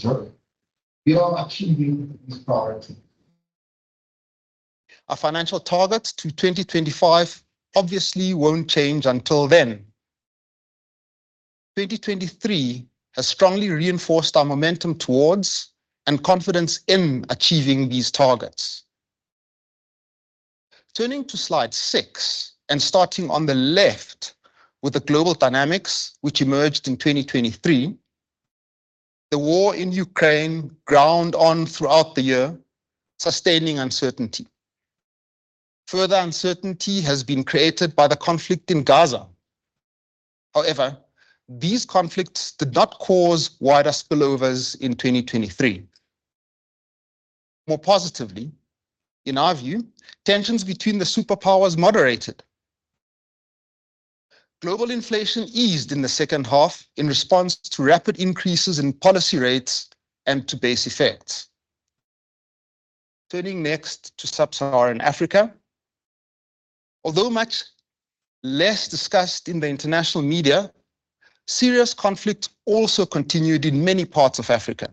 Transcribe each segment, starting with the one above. Sure. We are achieving this priority. Our financial targets to 2025 obviously won't change until then. 2023 has strongly reinforced our momentum towards, and confidence in, achieving these targets. Turning to slide 6, and starting on the left with the global dynamics which emerged in 2023, the war in Ukraine ground on throughout the year, sustaining uncertainty. Further uncertainty has been created by the conflict in Gaza. However, these conflicts did not cause wider spillovers in 2023. More positively, in our view, tensions between the superpowers moderated. Global inflation eased in the second half in response to rapid increases in policy rates and to base effects. Turning next to sub-Saharan Africa, although much less discussed in the international media, serious conflict also continued in many parts of Africa.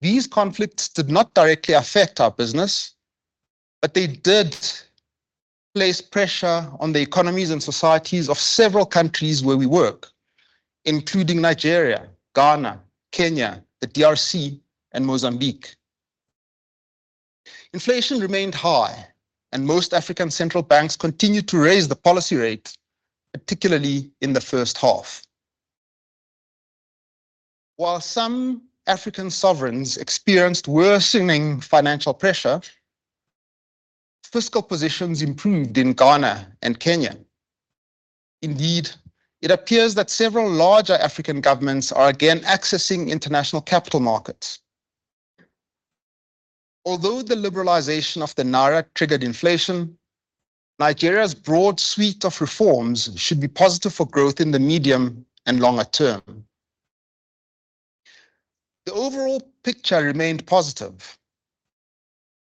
These conflicts did not directly affect our business, but they did place pressure on the economies and societies of several countries where we work, including Nigeria, Ghana, Kenya, the DRC, and Mozambique. Inflation remained high, and most African central banks continued to raise the policy rate, particularly in the first half. While some African sovereigns experienced worsening financial pressure, fiscal positions improved in Ghana and Kenya. Indeed, it appears that several larger African governments are again accessing international capital markets. Although the liberalisation of the naira triggered inflation, Nigeria's broad suite of reforms should be positive for growth in the medium and longer term. The overall picture remained positive.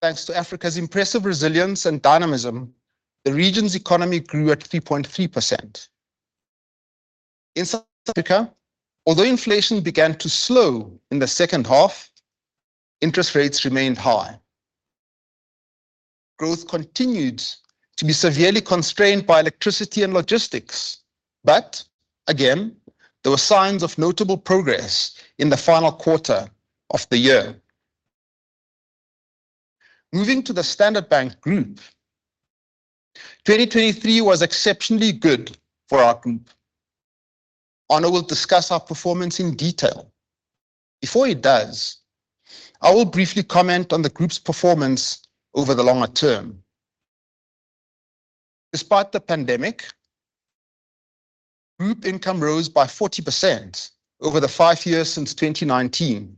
Thanks to Africa's impressive resilience and dynamism, the region's economy grew at 3.3%. In South Africa, although inflation began to slow in the second half, interest rates remained high. Growth continued to be severely constrained by electricity and logistics, but again, there were signs of notable progress in the final quarter of the year. Moving to the Standard Bank Group, 2023 was exceptionally good for our group. Arno will discuss our performance in detail. Before he does, I will briefly comment on the group's performance over the longer term. Despite the pandemic, group income rose by 40% over the five years since 2019,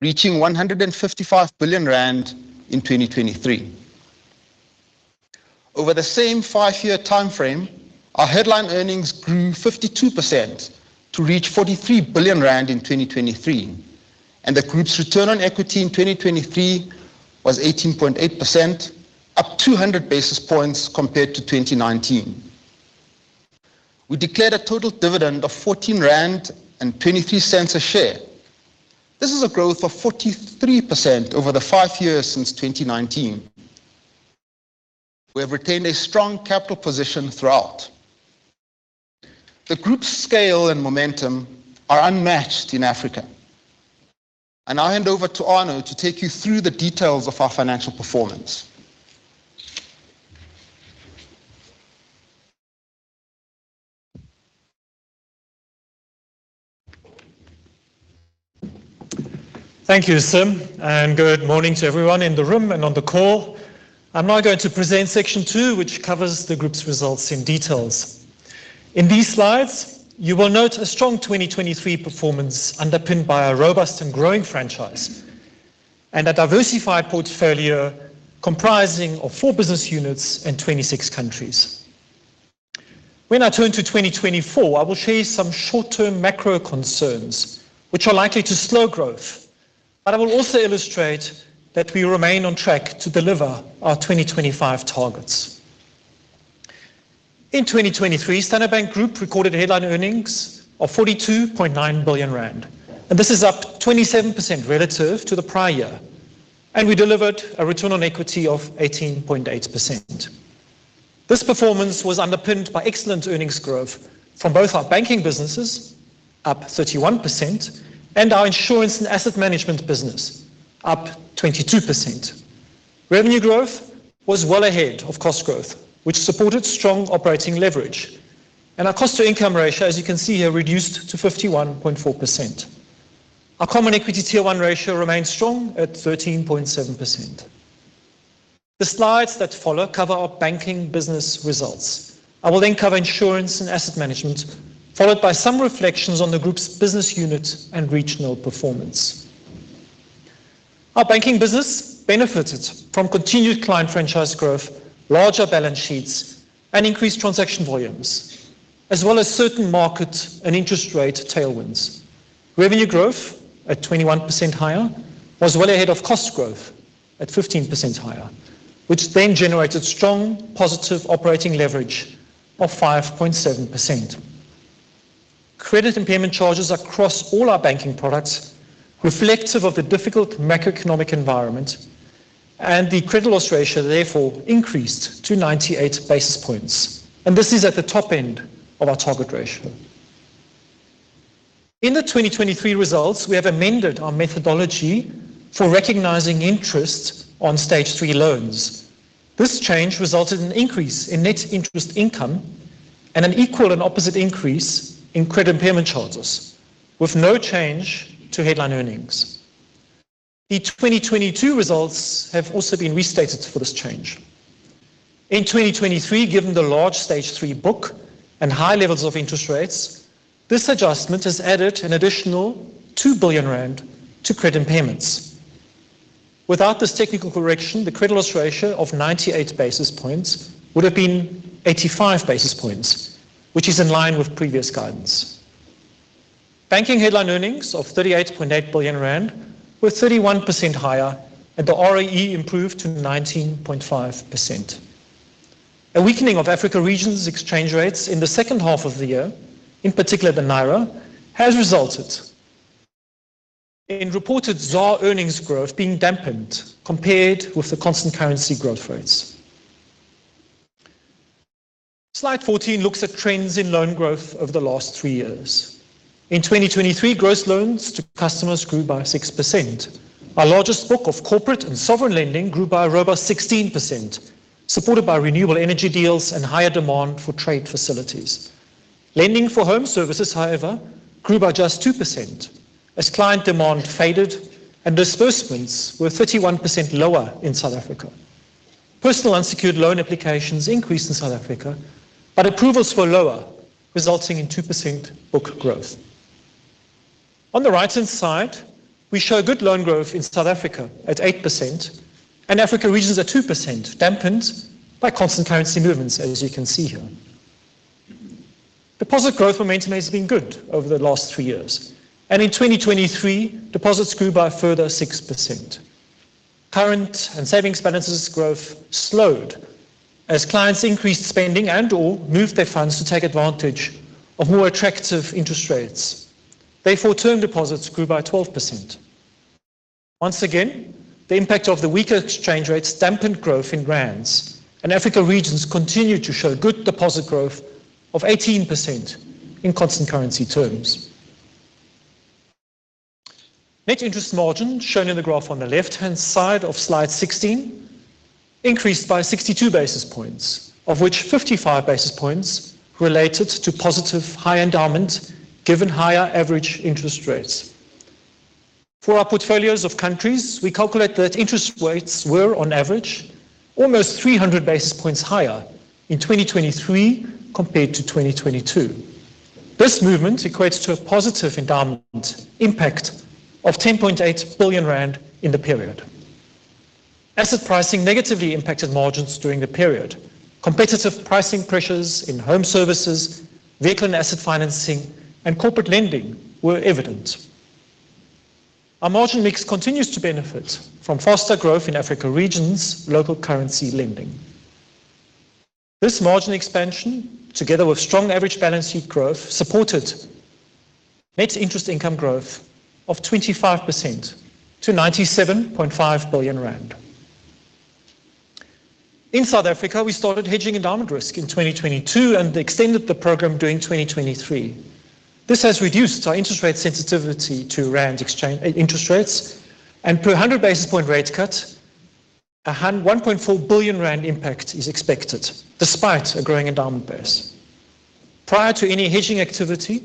reaching 155 billion rand in 2023. Over the same five-year timeframe, our headline earnings grew 52% to reach 43 billion rand in 2023, and the group's return on equity in 2023 was 18.8%, up 200 basis points compared to 2019. We declared a total dividend of 14.23 rand a share. This is a growth of 43% over the five years since 2019. We have retained a strong capital position throughout. The group's scale and momentum are unmatched in Africa, and I hand over to Arno to take you through the details of our financial performance. Thank you, Sim, and good morning to everyone in the room and on the call. I'm now going to present section two, which covers the group's results in details. In these slides, you will note a strong 2023 performance underpinned by a robust and growing franchise and a diversified portfolio comprising of four business units in 26 countries. When I turn to 2024, I will share some short-term macro concerns which are likely to slow growth, but I will also illustrate that we remain on track to deliver our 2025 targets. In 2023, Standard Bank Group recorded headline earnings of 42.9 billion rand, and this is up 27% relative to the prior year, and we delivered a return on equity of 18.8%. This performance was underpinned by excellent earnings growth from both our banking businesses, up 31%, and our insurance and asset management business, up 22%. Revenue growth was well ahead of cost growth, which supported strong operating leverage, and our cost-to-income ratio, as you can see here, reduced to 51.4%. Our Common Equity Tier 1 ratio remains strong at 13.7%. The slides that follow cover our banking business results. I will then cover insurance and asset management, followed by some reflections on the group's business unit and regional performance. Our banking business benefited from continued client franchise growth, larger balance sheets, and increased transaction volumes, as well as certain market and interest rate tailwinds. Revenue growth, at 21% higher, was well ahead of cost growth at 15% higher.... which then generated strong positive operating leverage of 5.7%. Credit impairment charges across all our banking products, reflective of the difficult macroeconomic environment, and the credit loss ratio therefore increased to 98 basis points, and this is at the top end of our target ratio. In the 2023 results, we have amended our methodology for recognizing interest on Stage Three loans. This change resulted in an increase in net interest income and an equal and opposite increase in credit impairment charges, with no change to headline earnings. The 2022 results have also been restated for this change. In 2023, given the large Stage Three book and high levels of interest rates, this adjustment has added an additional 2 billion rand to credit impairments. Without this technical correction, the credit loss ratio of 98 basis points would have been 85 basis points, which is in line with previous guidance. Banking headline earnings of 38.8 billion rand were 31% higher, and the ROE improved to 19.5%. A weakening of Africa Regions' exchange rates in the second half of the year, in particular the Naira, has resulted in reported ZAR earnings growth being dampened compared with the constant currency growth rates. Slide 14 looks at trends in loan growth over the last 3 years. In 2023, gross loans to customers grew by 6%. Our largest book of corporate and sovereign lending grew by a robust 16%, supported by renewable energy deals and higher demand for trade facilities. Lending for home services, however, grew by just 2% as client demand faded and disbursements were 31% lower in South Africa. Personal unsecured loan applications increased in South Africa, but approvals were lower, resulting in 2% book growth. On the right-hand side, we show good loan growth in South Africa at 8% and Africa regions at 2%, dampened by constant currency movements, as you can see here. Deposit growth momentum has been good over the last three years, and in 2023, deposits grew by a further 6%. Current and savings balances growth slowed as clients increased spending and/or moved their funds to take advantage of more attractive interest rates. Therefore, term deposits grew by 12%. Once again, the impact of the weaker exchange rates dampened growth in rands, and Africa regions continued to show good deposit growth of 18% in constant currency terms. Net interest margin, shown in the graph on the left-hand side of slide 16, increased by 62 basis points, of which 55 basis points related to positive high endowment, given higher average interest rates. For our portfolios of countries, we calculate that interest rates were on average almost 300 basis points higher in 2023 compared to 2022. This movement equates to a positive endowment impact of 10.8 billion rand in the period. Asset pricing negatively impacted margins during the period. Competitive pricing pressures in home services, vehicle and asset financing, and corporate lending were evident. Our margin mix continues to benefit from faster growth in Africa regions' local currency lending. This margin expansion, together with strong average balance sheet growth, supported net interest income growth of 25% to 97.5 billion rand. In South Africa, we started hedging endowment risk in 2022 and extended the program during 2023. This has reduced our interest rate sensitivity to interest rates, and per 100 basis point rate cut, a 1.4 billion rand impact is expected, despite a growing endowment base. Prior to any hedging activity,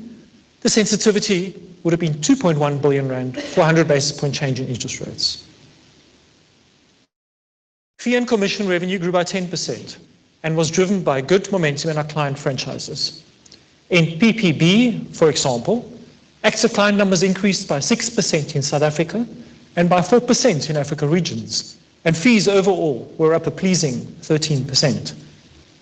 the sensitivity would have been 2.1 billion rand for a 100 basis point change in interest rates. Fee and commission revenue grew by 10% and was driven by good momentum in our client franchises. In PPB, for example, active client numbers increased by 6% in South Africa and by 4% in Africa regions, and fees overall were up a pleasing 13%.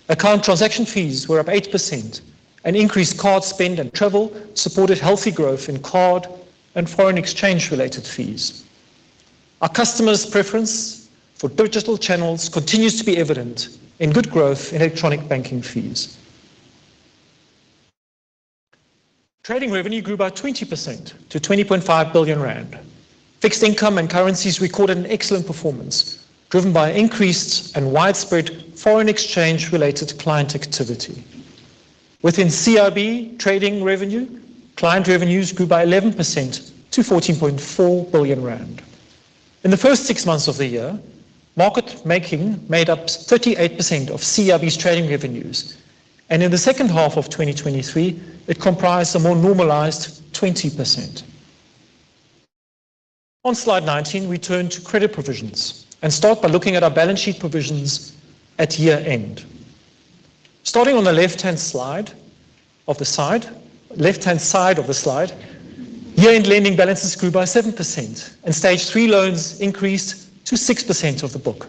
Account transaction fees were up 8%, and increased card spend and travel supported healthy growth in card and foreign exchange related fees. Our customers' preference for digital channels continues to be evident in good growth in electronic banking fees. Trading revenue grew by 20% to 20.5 billion rand. Fixed income and currencies recorded an excellent performance, driven by increased and widespread foreign exchange-related client activity. Within CIB trading revenue, client revenues grew by 11% to 14.4 billion rand. In the first six months of the year, market making made up 38% of CIB's trading revenues, and in the second half of 2023, it comprised a more normalized 20%. On slide 19, we turn to credit provisions and start by looking at our balance sheet provisions at year-end. Starting on the left-hand side of the slide, year-end lending balances grew by 7%, and Stage Three loans increased to 6% of the book.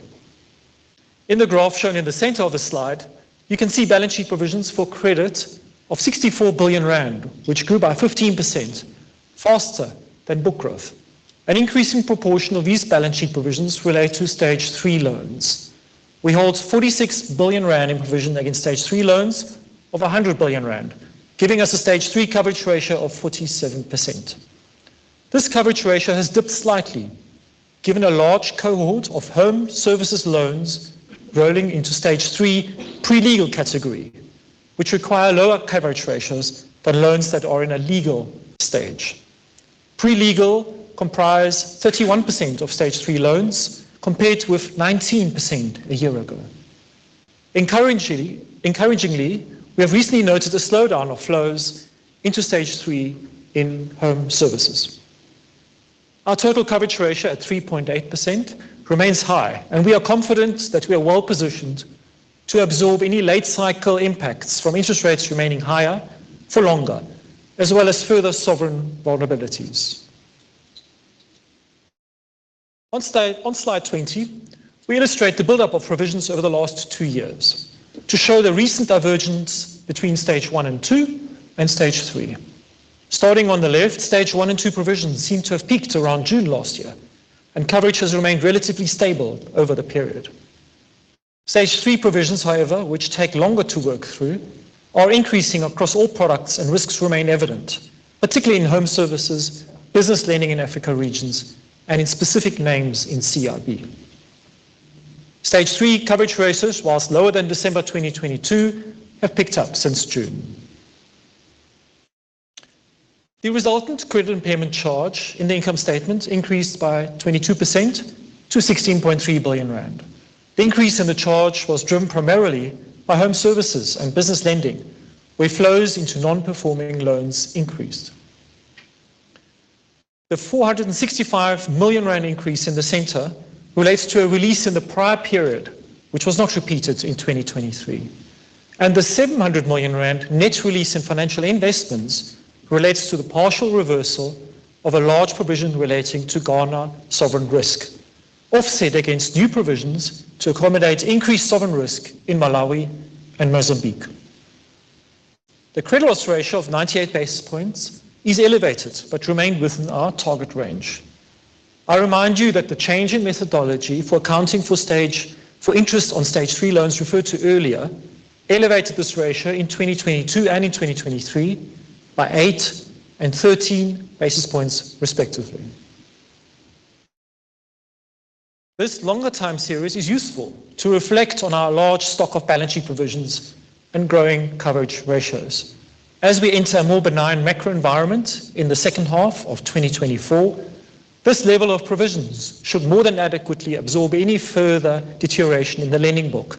In the graph shown in the center of the slide, you can see balance sheet provisions for credit of 64 billion rand, which grew by 15% faster than book growth. An increasing proportion of these balance sheet provisions relate to Stage 3 loans. We hold 46 billion rand in provision against Stage 3 loans of 100 billion rand, giving us a Stage 3 coverage ratio of 47%. This coverage ratio has dipped slightly, given a large cohort of Home Services loans rolling into Stage 3 pre-legal category, which require lower coverage ratios than loans that are in a legal stage. Pre-legal comprise 31% of Stage 3 loans, compared with 19% a year ago. Encouragingly, we have recently noted a slowdown of flows into Stage 3 in Home Services. Our total coverage ratio at 3.8% remains high, and we are confident that we are well positioned to absorb any late cycle impacts from interest rates remaining higher for longer, as well as further sovereign vulnerabilities. On slide 20, we illustrate the build-up of provisions over the last two years to show the recent divergence between Stage 1 and 2 and Stage 3. Starting on the left, Stage 1 and 2 provisions seem to have peaked around June last year, and coverage has remained relatively stable over the period. Stage 3 provisions, however, which take longer to work through, are increasing across all products and risks remain evident, particularly in Home Services, Business Lending in Africa regions, and in specific names in CIB. Stage 3 coverage ratios, while lower than December 2022, have picked up since June. The resultant credit impairment charge in the income statement increased by 22% to 16.3 billion rand. The increase in the charge was driven primarily by Home Services and Business Lending, where flows into non-performing loans increased. The 465 million rand increase in the center relates to a release in the prior period, which was not repeated in 2023, and the 700 million rand net release in financial investments relates to the partial reversal of a large provision relating to Ghana sovereign risk, offset against new provisions to accommodate increased sovereign risk in Malawi and Mozambique. The credit loss ratio of 98 basis points is elevated but remained within our target range. I remind you that the change in methodology for accounting for stage 3—for interest on Stage 3 loans referred to earlier, elevated this ratio in 2022 and in 2023 by 8 and 13 basis points respectively. This longer time series is useful to reflect on our large stock of balance sheet provisions and growing coverage ratios. As we enter a more benign macro environment in the second half of 2024, this level of provisions should more than adequately absorb any further deterioration in the lending book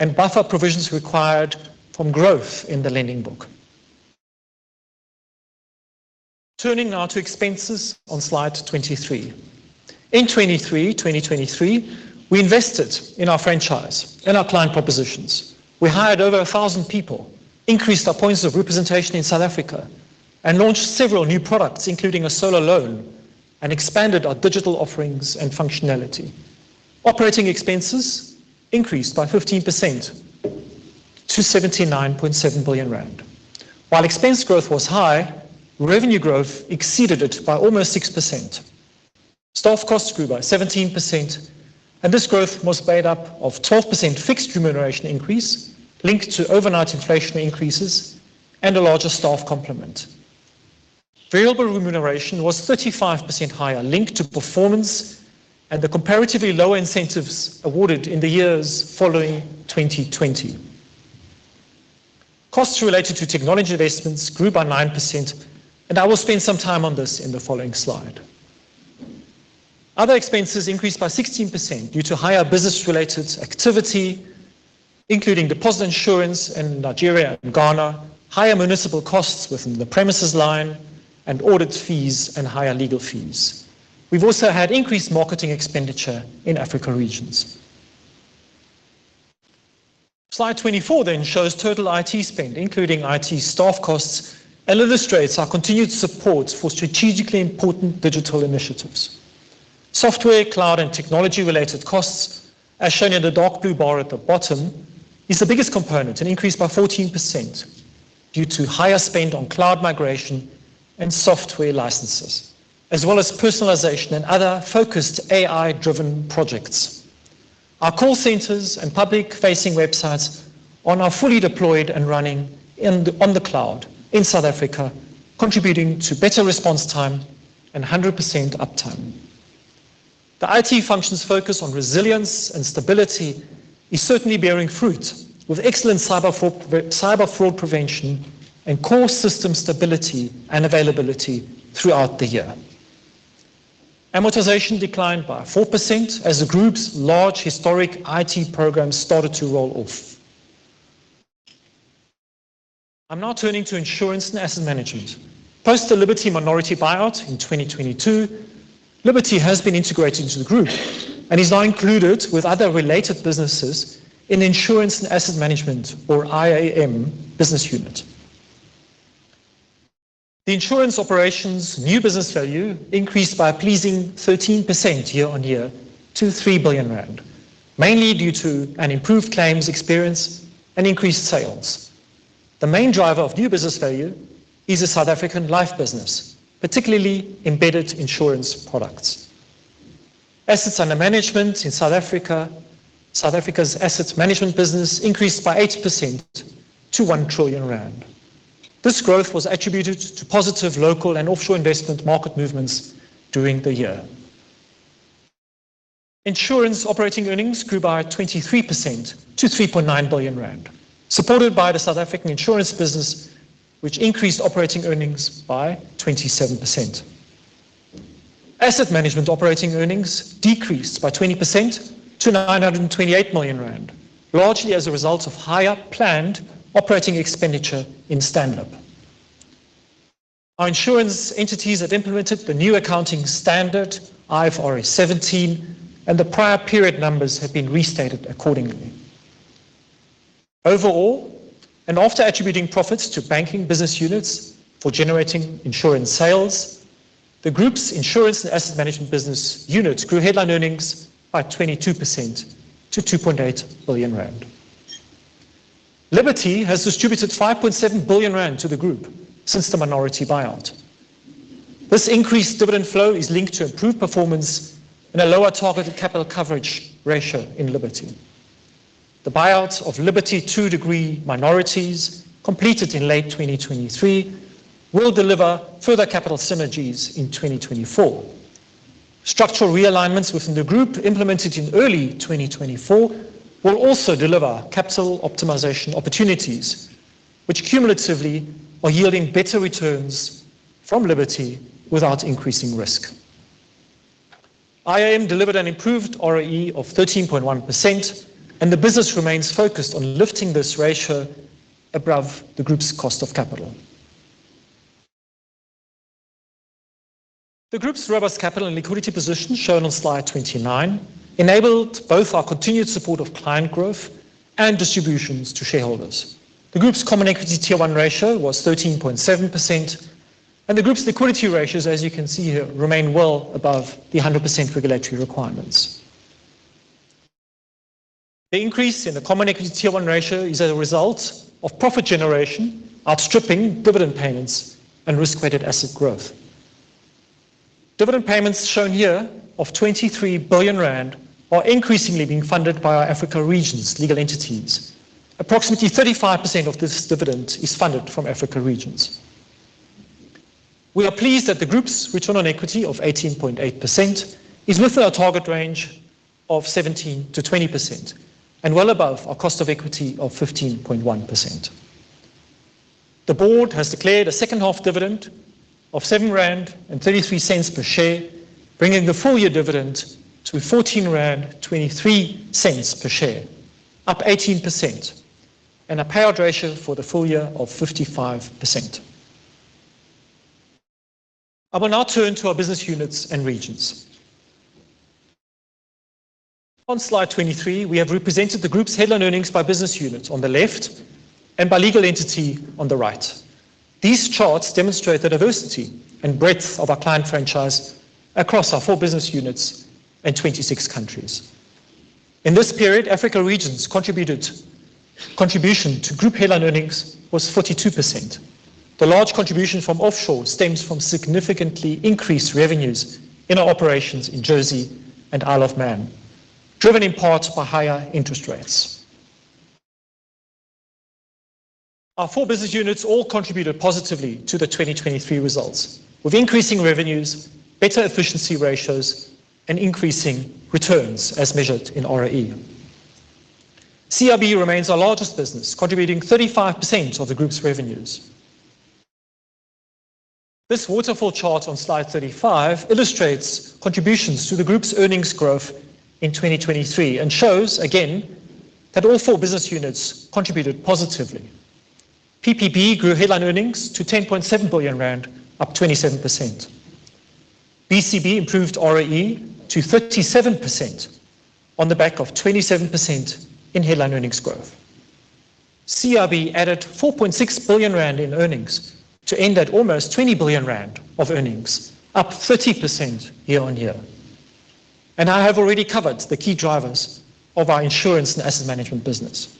and buffer provisions required from growth in the lending book. Turning now to expenses on slide 23. In 2023, 2023, we invested in our franchise and our client propositions. We hired over 1,000 people, increased our points of representation in South Africa, and launched several new products, including a solar loan, and expanded our digital offerings and functionality. Operating expenses increased by 15% to 79.7 billion rand. While expense growth was high, revenue growth exceeded it by almost 6%. Staff costs grew by 17%, and this growth was made up of 12% fixed remuneration increase linked to overnight inflation increases and a larger staff complement. Variable remuneration was 35% higher, linked to performance and the comparatively lower incentives awarded in the years following 2020. Costs related to technology investments grew by 9%, and I will spend some time on this in the following slide. Other expenses increased by 16% due to higher business-related activity, including deposit insurance in Nigeria and Ghana, higher municipal costs within the premises line, and audit fees and higher legal fees. We've also had increased marketing expenditure in Africa regions. Slide 24 then shows total IT spend, including IT staff costs, and illustrates our continued support for strategically important digital initiatives. Software, cloud, and technology-related costs, as shown in the dark blue bar at the bottom, is the biggest component and increased by 14% due to higher spend on cloud migration and software licenses, as well as personalization and other focused AI-driven projects. Our call centers and public-facing websites are now fully deployed and running on the cloud in South Africa, contributing to better response time and 100% uptime. The IT function's focus on resilience and stability is certainly bearing fruit, with excellent cyber fraud prevention and core system stability and availability throughout the year. Amortization declined by 4% as the group's large historic IT program started to roll off. I'm now turning to insurance and asset management. Post the Liberty minority buyout in 2022, Liberty has been integrated into the group and is now included with other related businesses in Insurance and Asset Management or IAM business unit. The insurance operations' new business value increased by a pleasing 13% year-on-year to 3 billion rand, mainly due to an improved claims experience and increased sales. The main driver of new business value is the South African life business, particularly embedded insurance products. Assets under management in South Africa. South Africa's asset management business increased by 8% to 1 trillion rand. This growth was attributed to positive local and offshore investment market movements during the year. Insurance operating earnings grew by 23% to 3.9 billion rand, supported by the South African insurance business, which increased operating earnings by 27%. Asset management operating earnings decreased by 20% to 928 million rand, largely as a result of higher planned operating expenditure in Standard. Our insurance entities have implemented the new accounting standard, IFRS 17, and the prior period numbers have been restated accordingly. Overall, and after attributing profits to banking business units for generating insurance sales, the group's insurance and asset management business units grew headline earnings by 22% to 2.8 billion rand. Liberty has distributed 5.7 billion rand to the group since the minority buyout. This increased dividend flow is linked to improved performance and a lower targeted capital coverage ratio in Liberty. The buyout of Liberty Two Degrees minorities, completed in late 2023, will deliver further capital synergies in 2024. Structural realignments within the group, implemented in early 2024, will also deliver capital optimization opportunities, which cumulatively are yielding better returns from Liberty without increasing risk. IAM delivered an improved ROE of 13.1%, and the business remains focused on lifting this ratio above the group's cost of capital. The group's robust capital and liquidity position, shown on slide 29, enabled both our continued support of client growth and distributions to shareholders. The group's Common Equity Tier 1 ratio was 13.7%, and the group's liquidity ratios, as you can see here, remain well above the 100% regulatory requirements. The increase in the Common Equity Tier 1 ratio is a result of profit generation outstripping dividend payments and risk-weighted asset growth. Dividend payments shown here of 23 billion rand are increasingly being funded by our Africa regions legal entities. Approximately 35% of this dividend is funded from Africa regions. We are pleased that the group's return on equity of 18.8% is within our target range of 17%-20% and well above our cost of equity of 15.1%. The board has declared a second-half dividend of 7.33 rand per share, bringing the full-year dividend to 14.23 rand per share, up 18%, and a payout ratio for the full year of 55%. I will now turn to our business units and regions. On slide 23, we have represented the group's headline earnings by business unit on the left and by legal entity on the right. These charts demonstrate the diversity and breadth of our client franchise across our four business units and 26 countries. In this period, Africa regions contributed... contribution to group headline earnings was 42%. The large contribution from offshore stems from significantly increased revenues in our operations in Jersey and Isle of Man, driven in part by higher interest rates. Our four business units all contributed positively to the 2023 results, with increasing revenues, better efficiency ratios, and increasing returns as measured in ROE. CIB remains our largest business, contributing 35% of the group's revenues. This waterfall chart on slide 35 illustrates contributions to the group's earnings growth in 2023 and shows again that all four business units contributed positively. PPB grew headline earnings to 10.7 billion rand, up 27%. BCB improved ROE to 37% on the back of 27% in headline earnings growth. CIB added 4.6 billion rand in earnings to end at almost 20 billion rand of earnings, up 30% year-on-year. I have already covered the key drivers of our insurance and asset management business.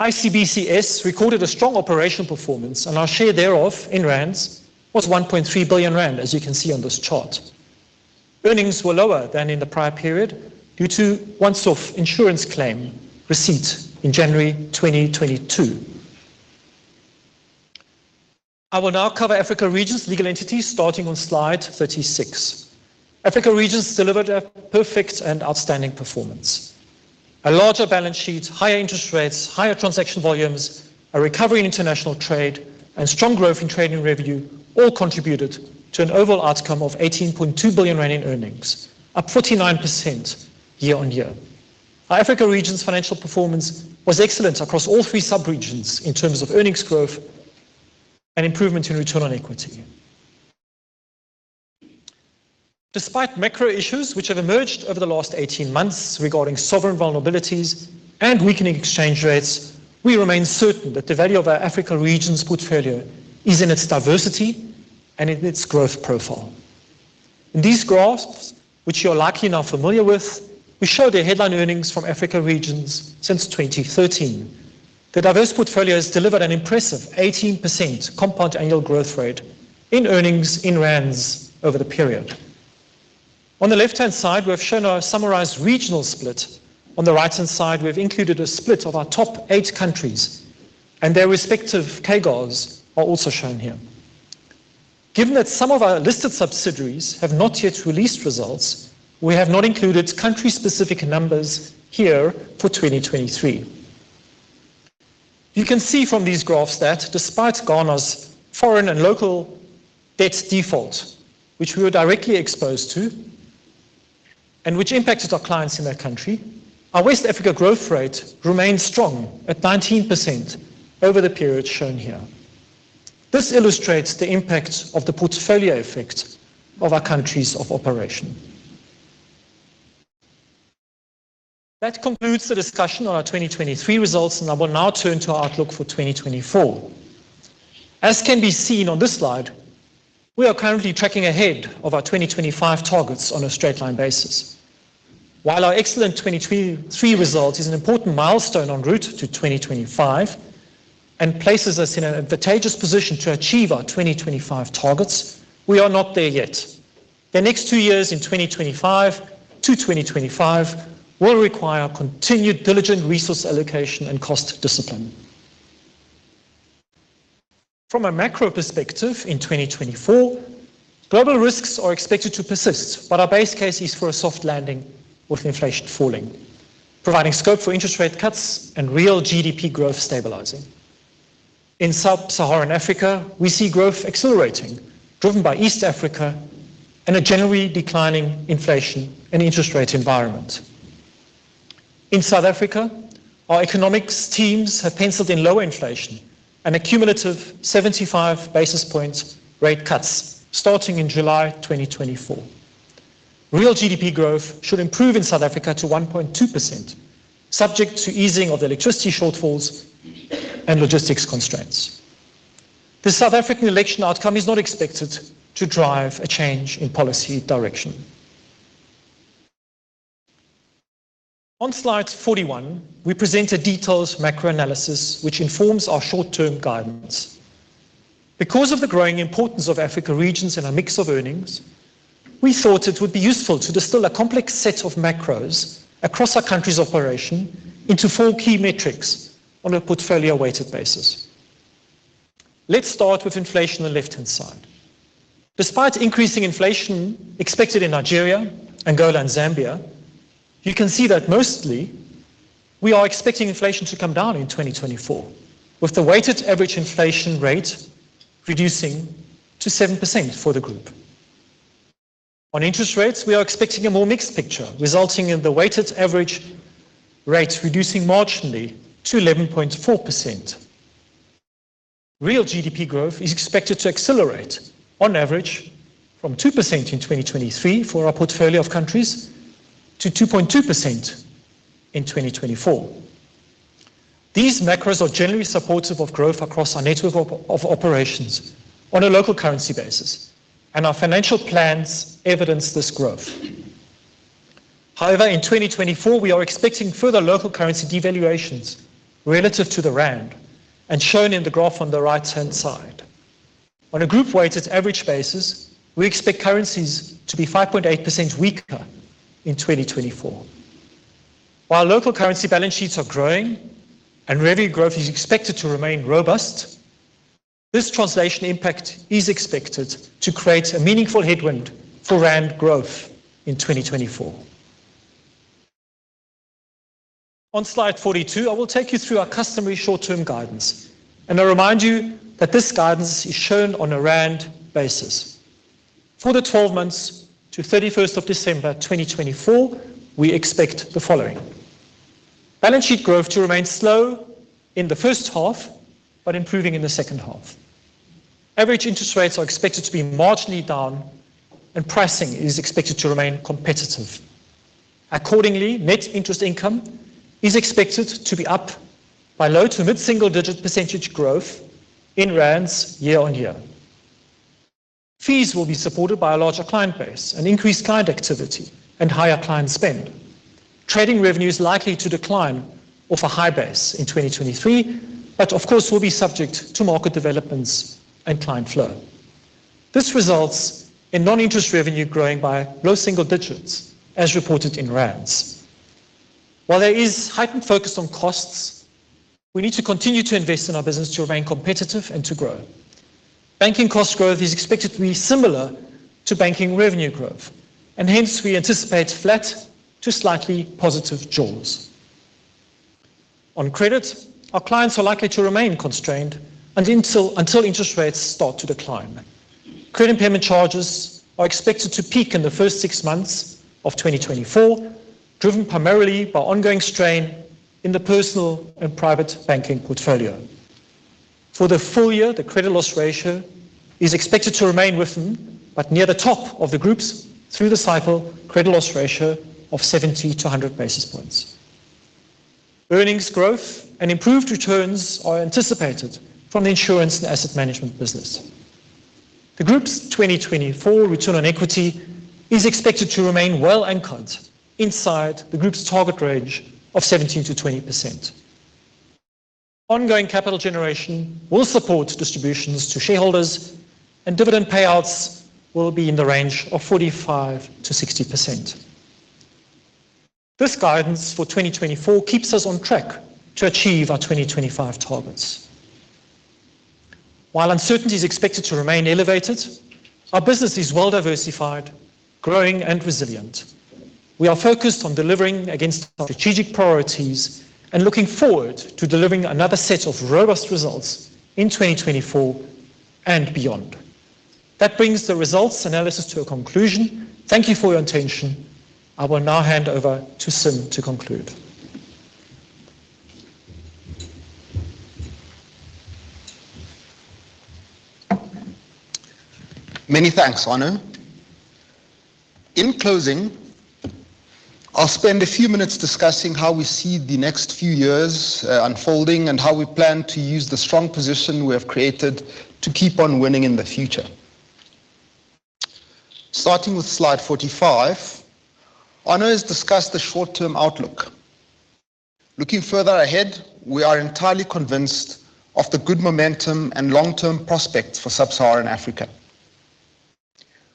ICBCS recorded a strong operational performance, and our share thereof in rands was 1.3 billion rand as you can see on this chart. Earnings were lower than in the prior period due to once-off insurance claim receipt in January 2022. I will now cover Africa regions legal entities, starting on slide 36. Africa regions delivered a perfect and outstanding performance. A larger balance sheet, higher interest rates, higher transaction volumes, a recovery in international trade, and strong growth in trading revenue all contributed to an overall outcome of 18.2 billion rand in earnings, up 49% year-on-year. Our Africa regions financial performance was excellent across all three subregions in terms of earnings growth and improvement in return on equity. Despite macro issues which have emerged over the last 18 months regarding sovereign vulnerabilities and weakening exchange rates, we remain certain that the value of our Africa regions portfolio is in its diversity and in its growth profile. In these graphs, which you're likely now familiar with, we show the headline earnings from Africa regions since 2013. The diverse portfolio has delivered an impressive 18% compound annual growth rate in earnings in rands over the period. On the left-hand side, we have shown our summarized regional split. On the right-hand side, we've included a split of our top 8 countries, and their respective CAGRs are also shown here. Given that some of our listed subsidiaries have not yet released results, we have not included country-specific numbers here for 2023. You can see from these graphs that despite Ghana's foreign and local debt default, which we were directly exposed to and which impacted our clients in that country, our West Africa growth rate remained strong at 19% over the period shown here. This illustrates the impact of the portfolio effect of our countries of operation. That concludes the discussion on our 2023 results, and I will now turn to our outlook for 2024. As can be seen on this slide, we are currently tracking ahead of our 2025 targets on a straight line basis. While our excellent 2023 result is an important milestone on route to 2025 and places us in an advantageous position to achieve our 2025 targets, we are not there yet. The next two years in 2025 to 2025 will require continued diligent resource allocation and cost discipline. From a macro perspective in 2024, global risks are expected to persist, but our base case is for a soft landing, with inflation falling, providing scope for interest rate cuts and real GDP growth stabilizing. In sub-Saharan Africa, we see growth accelerating, driven by East Africa and a generally declining inflation and interest rate environment. In South Africa, our economics teams have penciled in lower inflation and a cumulative 75 basis points rate cuts starting in July 2024. Real GDP growth should improve in South Africa to 1.2%, subject to easing of the electricity shortfalls and logistics constraints. The South African election outcome is not expected to drive a change in policy direction. On slide 41, we present a detailed macro analysis, which informs our short-term guidance. Because of the growing importance of Africa regions in our mix of earnings, we thought it would be useful to distill a complex set of macros across our countries' operations into four key metrics on a portfolio weighted basis. Let's start with inflation on the left-hand side. Despite increasing inflation expected in Nigeria, Angola, and Zambia, you can see that mostly we are expecting inflation to come down in 2024, with the weighted average inflation rate reducing to 7% for the group. On interest rates, we are expecting a more mixed picture, resulting in the weighted average rate reducing marginally to 11.4%. Real GDP growth is expected to accelerate on average from 2% in 2023 for our portfolio of countries to 2.2% in 2024. These macros are generally supportive of growth across our network of operations on a local currency basis, and our financial plans evidence this growth. However, in 2024, we are expecting further local currency devaluations relative to the rand and shown in the graph on the right-hand side. On a group weighted average basis, we expect currencies to be 5.8% weaker in 2024. While local currency balance sheets are growing and revenue growth is expected to remain robust, this translation impact is expected to create a meaningful headwind for rand growth in 2024. On slide 42, I will take you through our customary short-term guidance, and I remind you that this guidance is shown on a rand basis. For the twelve months to thirty-first of December 2024, we expect the following: balance sheet growth to remain slow in the first half, but improving in the second half. Average interest rates are expected to be marginally down, and pricing is expected to remain competitive. Accordingly, net interest income is expected to be up by low- to mid-single-digit % growth in rands year-on-year. Fees will be supported by a larger client base and increased client activity and higher client spend. Trading revenue is likely to decline off a high base in 2023, but of course, will be subject to market developments and client flow. This results in non-interest revenue growing by low single-digit %, as reported in rands. While there is heightened focus on costs, we need to continue to invest in our business to remain competitive and to grow. Banking cost growth is expected to be similar to banking revenue growth, and hence we anticipate flat to slightly positive jaws. On credit, our clients are likely to remain constrained until interest rates start to decline. Credit impairment charges are expected to peak in the first six months of 2024, driven primarily by ongoing strain in the Personal and Private Banking portfolio. For the full year, the credit loss ratio is expected to remain within, but near the top of the group's through the cycle credit loss ratio of 70-100 basis points.... Earnings growth and improved returns are anticipated from the Insurance and Asset Management business. The group's 2024 return on equity is expected to remain well anchored inside the group's target range of 17%-20%. Ongoing capital generation will support distributions to shareholders, and dividend payouts will be in the range of 45%-60%. This guidance for 2024 keeps us on track to achieve our 2025 targets. While uncertainty is expected to remain elevated, our business is well diversified, growing, and resilient. We are focused on delivering against our strategic priorities and looking forward to delivering another set of robust results in 2024 and beyond. That brings the results analysis to a conclusion. Thank you for your attention. I will now hand over to Sim to conclude. Many thanks, Arno. In closing, I'll spend a few minutes discussing how we see the next few years, unfolding and how we plan to use the strong position we have created to keep on winning in the future. Starting with slide 45, Arno has discussed the short-term outlook. Looking further ahead, we are entirely convinced of the good momentum and long-term prospects for sub-Saharan Africa.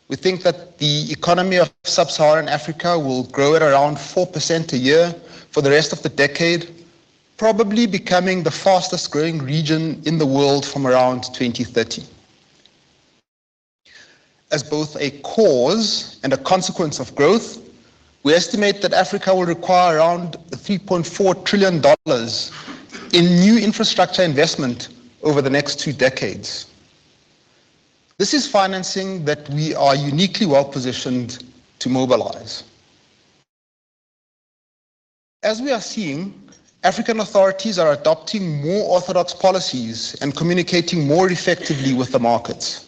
We think that the economy of sub-Saharan Africa will grow at around 4% a year for the rest of the decade, probably becoming the fastest-growing region in the world from around 2030. As both a cause and a consequence of growth, we estimate that Africa will require around $3.4 trillion in new infrastructure investment over the next two decades. This is financing that we are uniquely well positioned to mobilize. As we are seeing, African authorities are adopting more orthodox policies and communicating more effectively with the markets.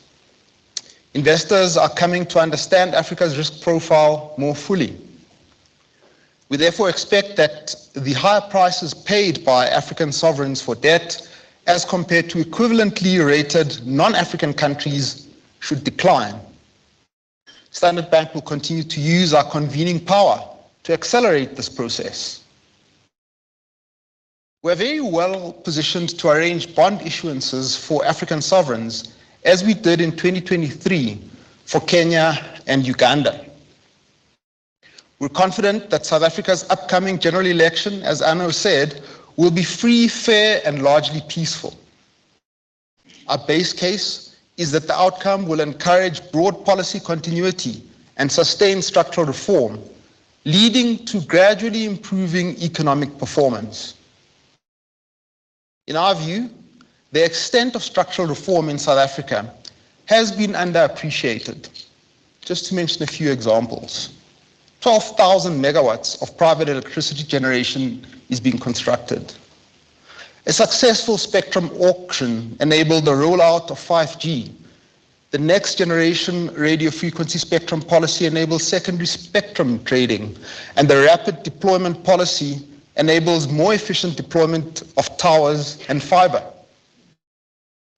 Investors are coming to understand Africa's risk profile more fully. We therefore expect that the higher prices paid by African sovereigns for debt, as compared to equivalently rated non-African countries, should decline. Standard Bank will continue to use our convening power to accelerate this process. We're very well positioned to arrange bond issuances for African sovereigns, as we did in 2023 for Kenya and Uganda. We're confident that South Africa's upcoming general election, as Arno said, will be free, fair, and largely peaceful. Our base case is that the outcome will encourage broad policy continuity and sustain structural reform, leading to gradually improving economic performance. In our view, the extent of structural reform in South Africa has been underappreciated. Just to mention a few examples: 12,000 megawatts of private electricity generation is being constructed. A successful spectrum auction enabled the rollout of 5G. The next generation radio frequency spectrum policy enables secondary spectrum trading, and the rapid deployment policy enables more efficient deployment of towers and fiber.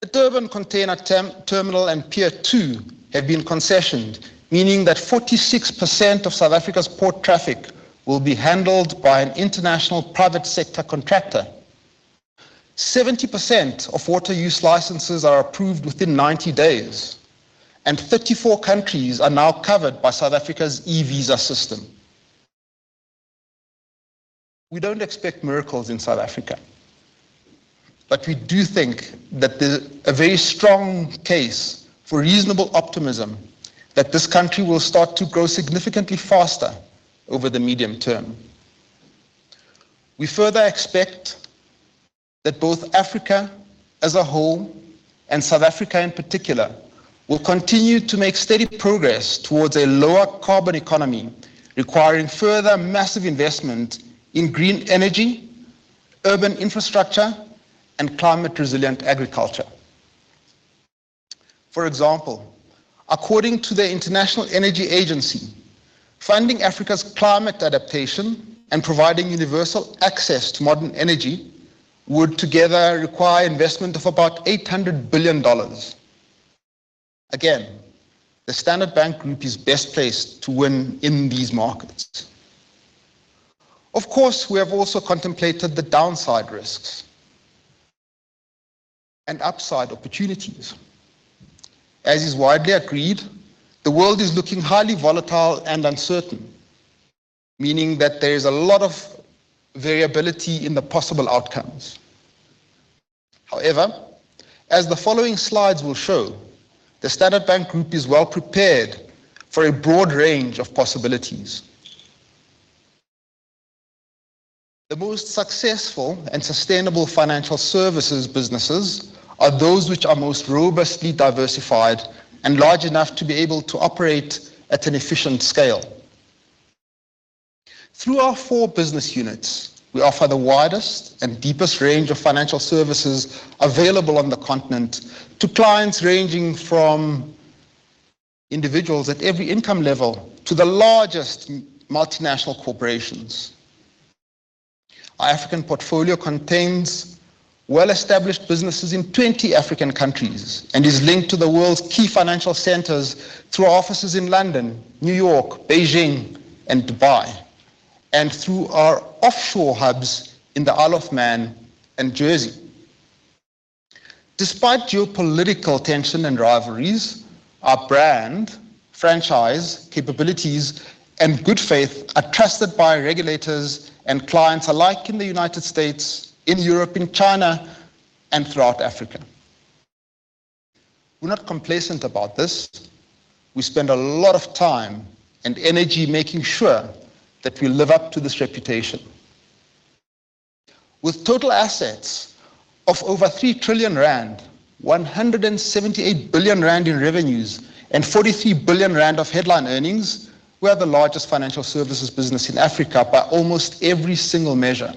The Durban Container Terminal and Pier 2 have been concessioned, meaning that 46% of South Africa's port traffic will be handled by an international private sector contractor. 70% of water use licenses are approved within 90 days, and 34 countries are now covered by South Africa's e-visa system. We don't expect miracles in South Africa, but we do think that there's a very strong case for reasonable optimism that this country will start to grow significantly faster over the medium term. We further expect that both Africa as a whole, and South Africa in particular, will continue to make steady progress towards a lower carbon economy, requiring further massive investment in green energy, urban infrastructure, and climate-resilient agriculture. For example, according to the International Energy Agency, funding Africa's climate adaptation and providing universal access to modern energy would together require investment of about $800 billion. Again, the Standard Bank Group is best placed to win in these markets. Of course, we have also contemplated the downside risks and upside opportunities. As is widely agreed, the world is looking highly volatile and uncertain, meaning that there is a lot of variability in the possible outcomes. However, as the following slides will show, the Standard Bank Group is well prepared for a broad range of possibilities. The most successful and sustainable financial services businesses are those which are most robustly diversified and large enough to be able to operate at an efficient scale. Through our four business units, we offer the widest and deepest range of financial services available on the continent to clients ranging from individuals at every income level to the largest multinational corporations. Our African portfolio contains well-established businesses in 20 African countries and is linked to the world's key financial centers through our offices in London, New York, Beijing, and Dubai, and through our offshore hubs in the Isle of Man and Jersey. Despite geopolitical tension and rivalries, our brand, franchise, capabilities, and good faith are trusted by regulators and clients alike in the United States, in Europe, in China, and throughout Africa. We're not complacent about this. We spend a lot of time and energy making sure that we live up to this reputation. With total assets of over 3 trillion rand, 178 billion rand in revenues, and 43 billion rand of headline earnings, we are the largest financial services business in Africa by almost every single measure.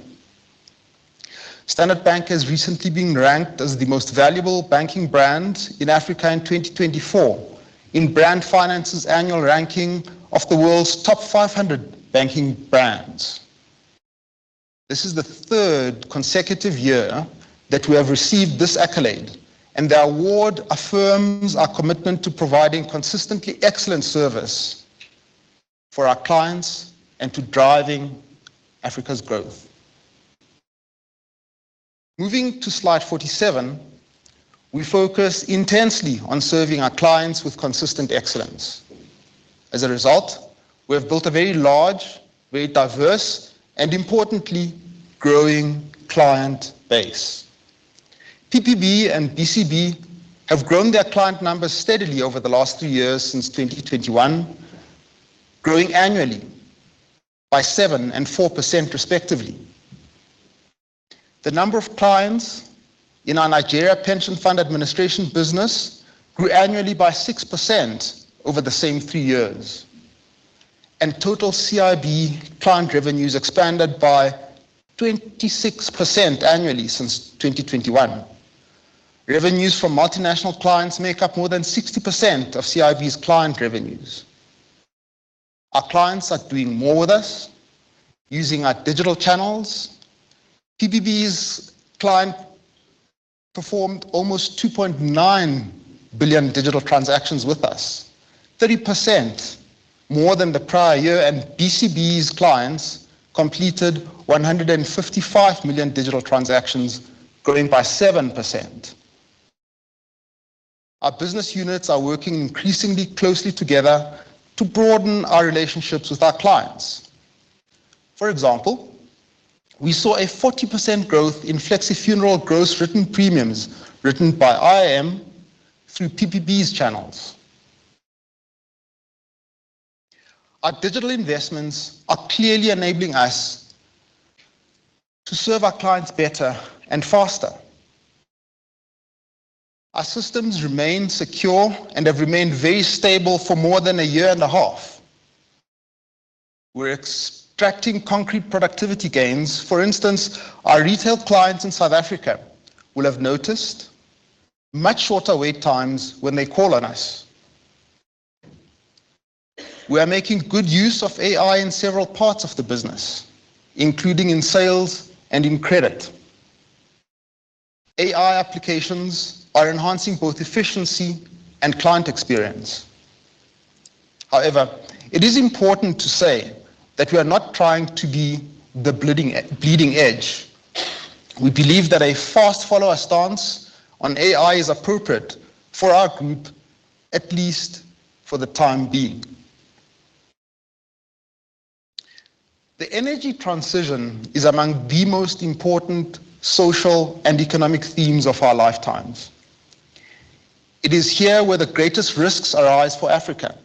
Standard Bank has recently been ranked as the most valuable banking brand in Africa in 2024 in Brand Finance's annual ranking of the world's top 500 banking brands. This is the third consecutive year that we have received this accolade, and the award affirms our commitment to providing consistently excellent service for our clients and to driving Africa's growth. Moving to slide 47, we focus intensely on serving our clients with consistent excellence. As a result, we have built a very large, very diverse, and importantly, growing client base. PPB and BCB have grown their client numbers steadily over the last two years since 2021, growing annually by 7% and 4%, respectively. The number of clients in our Nigeria Pension Fund Administration business grew annually by 6% over the same three years, and total CIB client revenues expanded by 26% annually since 2021. Revenues from multinational clients make up more than 60% of CIB's client revenues. Our clients are doing more with us using our digital channels. PPB's clients performed almost 2.9 billion digital transactions with us, 30% more than the prior year, and BCB's clients completed 155 million digital transactions, growing by 7%. Our business units are working increasingly closely together to broaden our relationships with our clients. For example, we saw a 40% growth in FlexiFuneral gross written premiums written by IAM through PPB's channels. Our digital investments are clearly enabling us to serve our clients better and faster. Our systems remain secure and have remained very stable for more than a year and a half. We're extracting concrete productivity gains. For instance, our retail clients in South Africa will have noticed much shorter wait times when they call on us. We are making good use of AI in several parts of the business, including in sales and in credit. AI applications are enhancing both efficiency and client experience. However, it is important to say that we are not trying to be the bleeding edge. We believe that a fast follower stance on AI is appropriate for our group, at least for the time being. The energy transition is among the most important social and economic themes of our lifetimes. It is here where the greatest risks arise for Africa,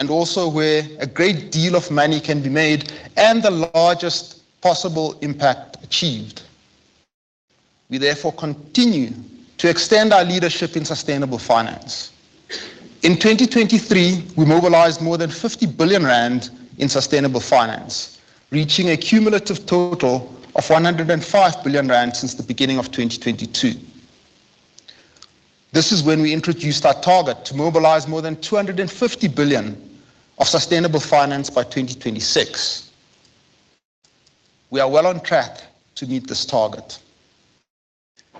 and also where a great deal of money can be made and the largest possible impact achieved. We therefore continue to extend our leadership in sustainable finance. In 2023, we mobilized more than 50 billion rand in sustainable finance, reaching a cumulative total of 105 billion rand since the beginning of 2022. This is when we introduced our target to mobilize more than 250 billion of sustainable finance by 2026. We are well on track to meet this target.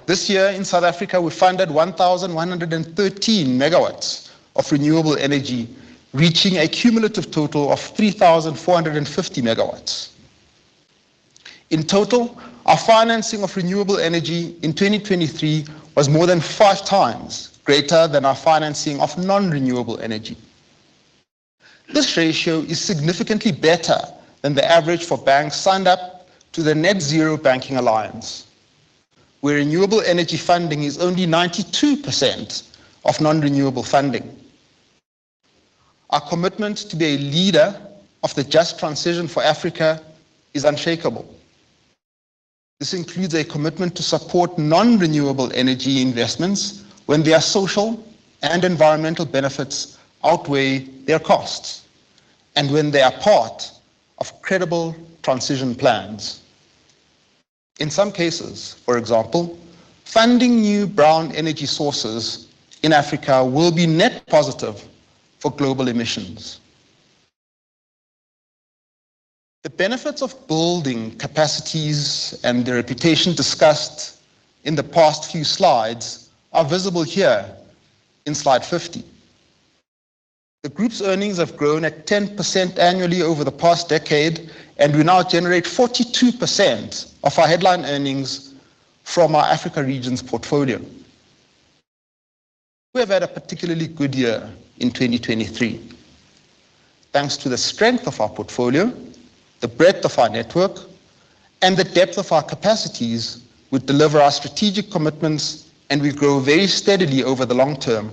This year in South Africa, we funded 1,113 megawatts of renewable energy, reaching a cumulative total of 3,450 megawatts. In total, our financing of renewable energy in 2023 was more than 5 times greater than our financing of non-renewable energy. This ratio is significantly better than the average for banks signed up to the Net-Zero Banking Alliance, where renewable energy funding is only 92% of non-renewable funding. Our commitment to be a leader of the just transition for Africa is unshakable. This includes a commitment to support non-renewable energy investments when their social and environmental benefits outweigh their costs and when they are part of credible transition plans. In some cases, for example, funding new brown energy sources in Africa will be net positive for global emissions. The benefits of building capacities and the reputation discussed in the past few slides are visible here in slide 50. The group's earnings have grown at 10% annually over the past decade, and we now generate 42% of our headline earnings from our Africa regions portfolio. We have had a particularly good year in 2023, thanks to the strength of our portfolio, the breadth of our network, and the depth of our capacities. We deliver our strategic commitments, and we grow very steadily over the long term,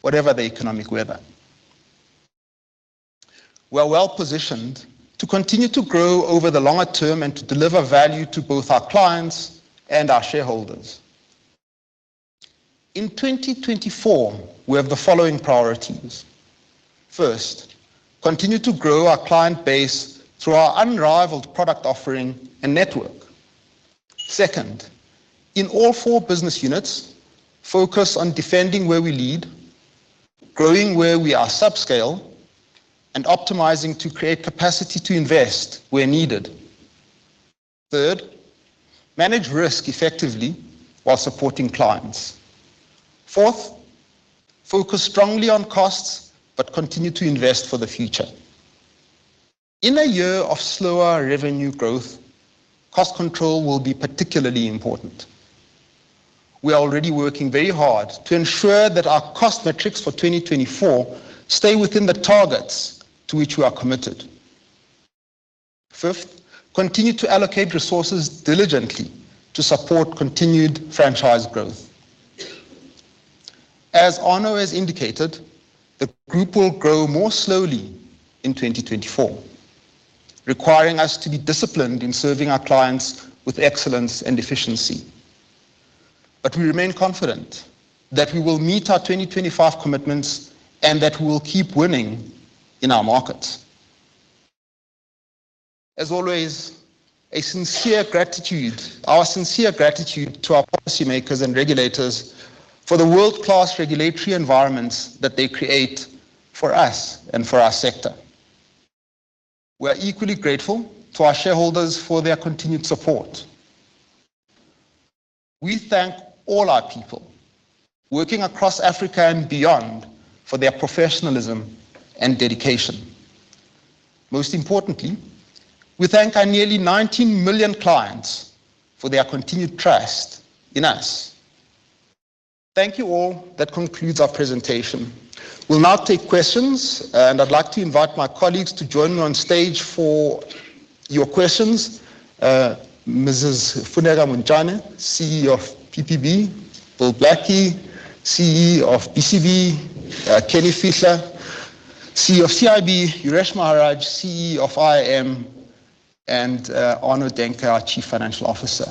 whatever the economic weather. We are well positioned to continue to grow over the longer term and to deliver value to both our clients and our shareholders. In 2024, we have the following priorities: First, continue to grow our client base through our unrivaled product offering and network. Second, in all four business units, focus on defending where we lead, growing where we are subscale, and optimizing to create capacity to invest where needed. Third, manage risk effectively while supporting clients. Fourth, focus strongly on costs, but continue to invest for the future. In a year of slower revenue growth, cost control will be particularly important. We are already working very hard to ensure that our cost metrics for 2024 stay within the targets to which we are committed. Fifth, continue to allocate resources diligently to support continued franchise growth. As Arno has indicated, the group will grow more slowly in 2024, requiring us to be disciplined in serving our clients with excellence and efficiency. But we remain confident that we will meet our 2025 commitments and that we will keep winning in our markets. As always, a sincere gratitude, our sincere gratitude to our policymakers and regulators for the world-class regulatory environments that they create for us and for our sector. We are equally grateful to our shareholders for their continued support. We thank all our people working across Africa and beyond for their professionalism and dedication. Most importantly, we thank our nearly 19 million clients for their continued trust in us. Thank you, all. That concludes our presentation. We'll now take questions, and I'd like to invite my colleagues to join me on stage for your questions. Mrs. Funeka Montjane, CEO of PPB; Bill Blackie, CEO of BCB; Kenny Fihla, CEO of CIB; Yuresh Maharaj, CEO of IAM; and, Arno Daehnke, our Chief Financial Officer.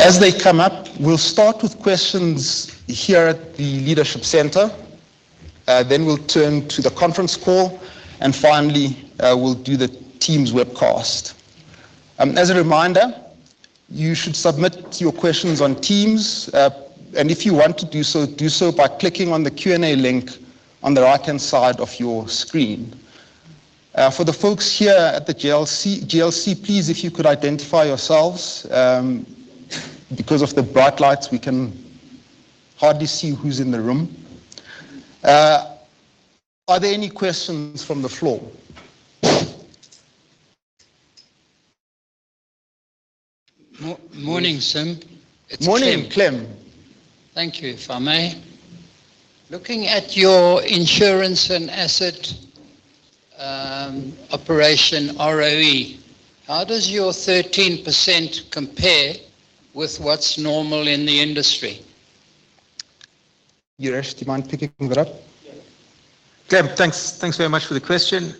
As they come up, we'll start with questions here at the leadership center, then we'll turn to the conference call, and finally, we'll do the Teams webcast. As a reminder, you should submit your questions on Teams, and if you want to do so, do so by clicking on the Q&A link on the right-hand side of your screen. For the folks here at the GLC, please, if you could identify yourselves. Because of the bright lights, we can hardly see who's in the room. Are there any questions from the floor? Mo-morning, Sim. Morning, Clem. It's Clem. Thank you. If I may, looking at your insurance and asset operation ROE, how does your 13% compare with what's normal in the industry? Naresh, do you mind picking that up? Yeah. Clem, thanks. Thanks very much for the question.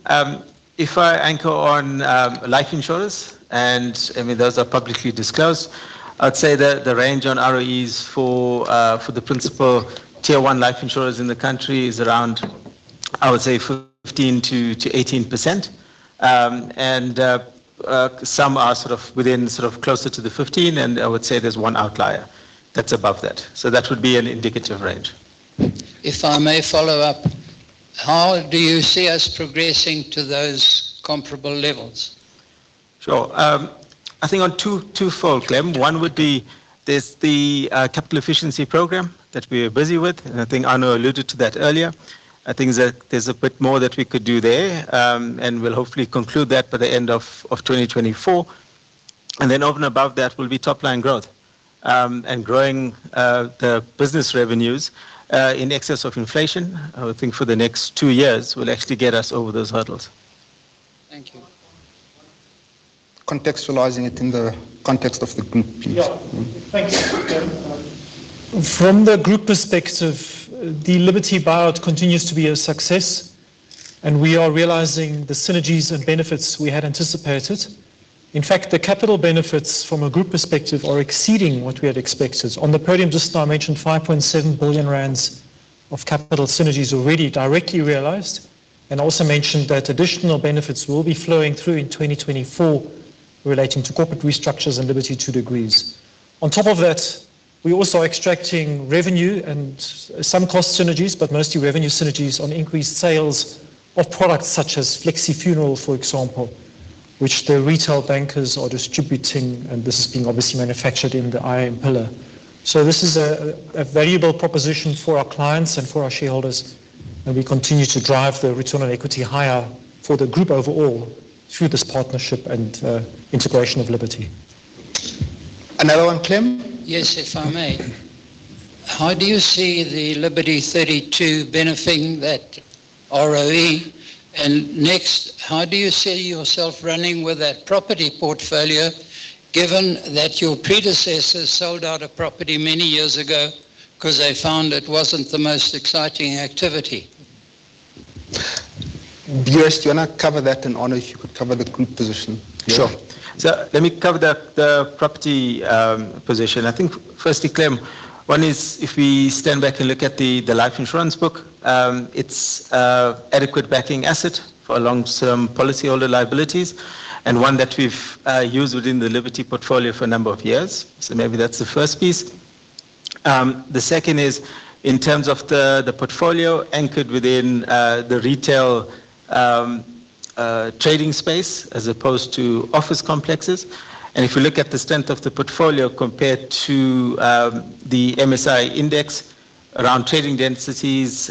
If I anchor on life insurers, and, I mean, those are publicly disclosed, I'd say that the range on ROEs for the principal Tier 1 life insurers in the country is around, I would say, 15%-18%. And some are sort of within, sort of closer to the 15, and I would say there's one outlier that's above that. So that would be an indicative range. If I may follow up, how do you see us progressing to those comparable levels? Sure. I think on two, twofold, Clem. One would be, there's the capital efficiency program that we are busy with, and I think Arno alluded to that earlier. I think that there's a bit more that we could do there, and we'll hopefully conclude that by the end of 2024. And then over and above that will be top-line growth, and growing the business revenues in excess of inflation, I would think for the next two years will actually get us over those hurdles. Thank you. Contextualizing it in the context of the group, please. Yeah. Thank you. From the group perspective, the Liberty buyout continues to be a success, and we are realizing the synergies and benefits we had anticipated.... In fact, the capital benefits from a group perspective are exceeding what we had expected. On the podium just now, I mentioned 5.7 billion rand of capital synergies already directly realized, and also mentioned that additional benefits will be flowing through in 2024 relating to corporate restructures and Liberty Two Degrees. On top of that, we're also extracting revenue and some cost synergies, but mostly revenue synergies on increased sales of products such as FlexiFuneral, for example, which the retail bankers are distributing, and this is being obviously manufactured in the IAM pillar. This is a valuable proposition for our clients and for our shareholders, and we continue to drive the return on equity higher for the group overall through this partnership and integration of Liberty. Another one, Clem? Yes, if I may. How do you see the Liberty Two Degrees benefiting that ROE? And next, how do you see yourself running with that property portfolio, given that your predecessors sold out a property many years ago 'cause they found it wasn't the most exciting activity? Yuresh, do you wanna cover that? And Arno, if you could cover the group position. Sure. So let me cover the, the property position. I think firstly, Clem, one is if we stand back and look at the, the life insurance book, it's adequate backing asset for long-term policyholder liabilities, and one that we've used within the Liberty portfolio for a number of years. So maybe that's the first piece. The second is in terms of the, the portfolio anchored within the retail, trading space as opposed to office complexes. And if you look at the strength of the portfolio compared to the MSCI index around trading densities,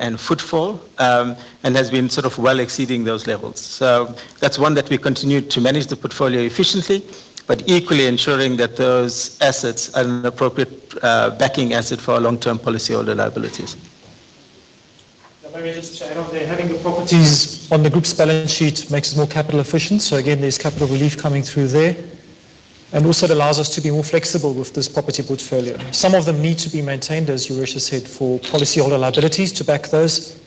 and footfall, and has been sort of well exceeding those levels. So that's one that we continued to manage the portfolio efficiently, but equally ensuring that those assets are an appropriate backing asset for our long-term policyholder liabilities. Maybe just to add on there, having the properties on the group's balance sheet makes us more capital efficient, so again, there's capital relief coming through there. And also, it allows us to be more flexible with this property portfolio. Some of them need to be maintained, as Yuresh has said, for policyholder liabilities to back those.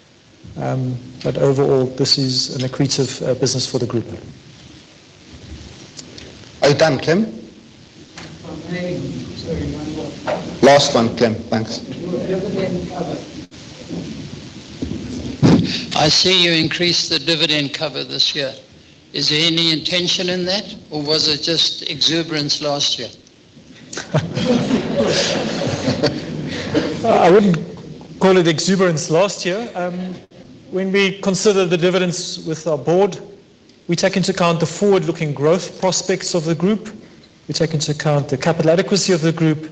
But overall, this is an accretive business for the group. Are you done, Clem? If I may. Sorry, one more. Last one, Clem. Thanks. Your dividend cover. I see you increased the dividend cover this year. Is there any intention in that, or was it just exuberance last year? I wouldn't call it exuberance last year. When we consider the dividends with our board, we take into account the forward-looking growth prospects of the group. We take into account the capital adequacy of the group.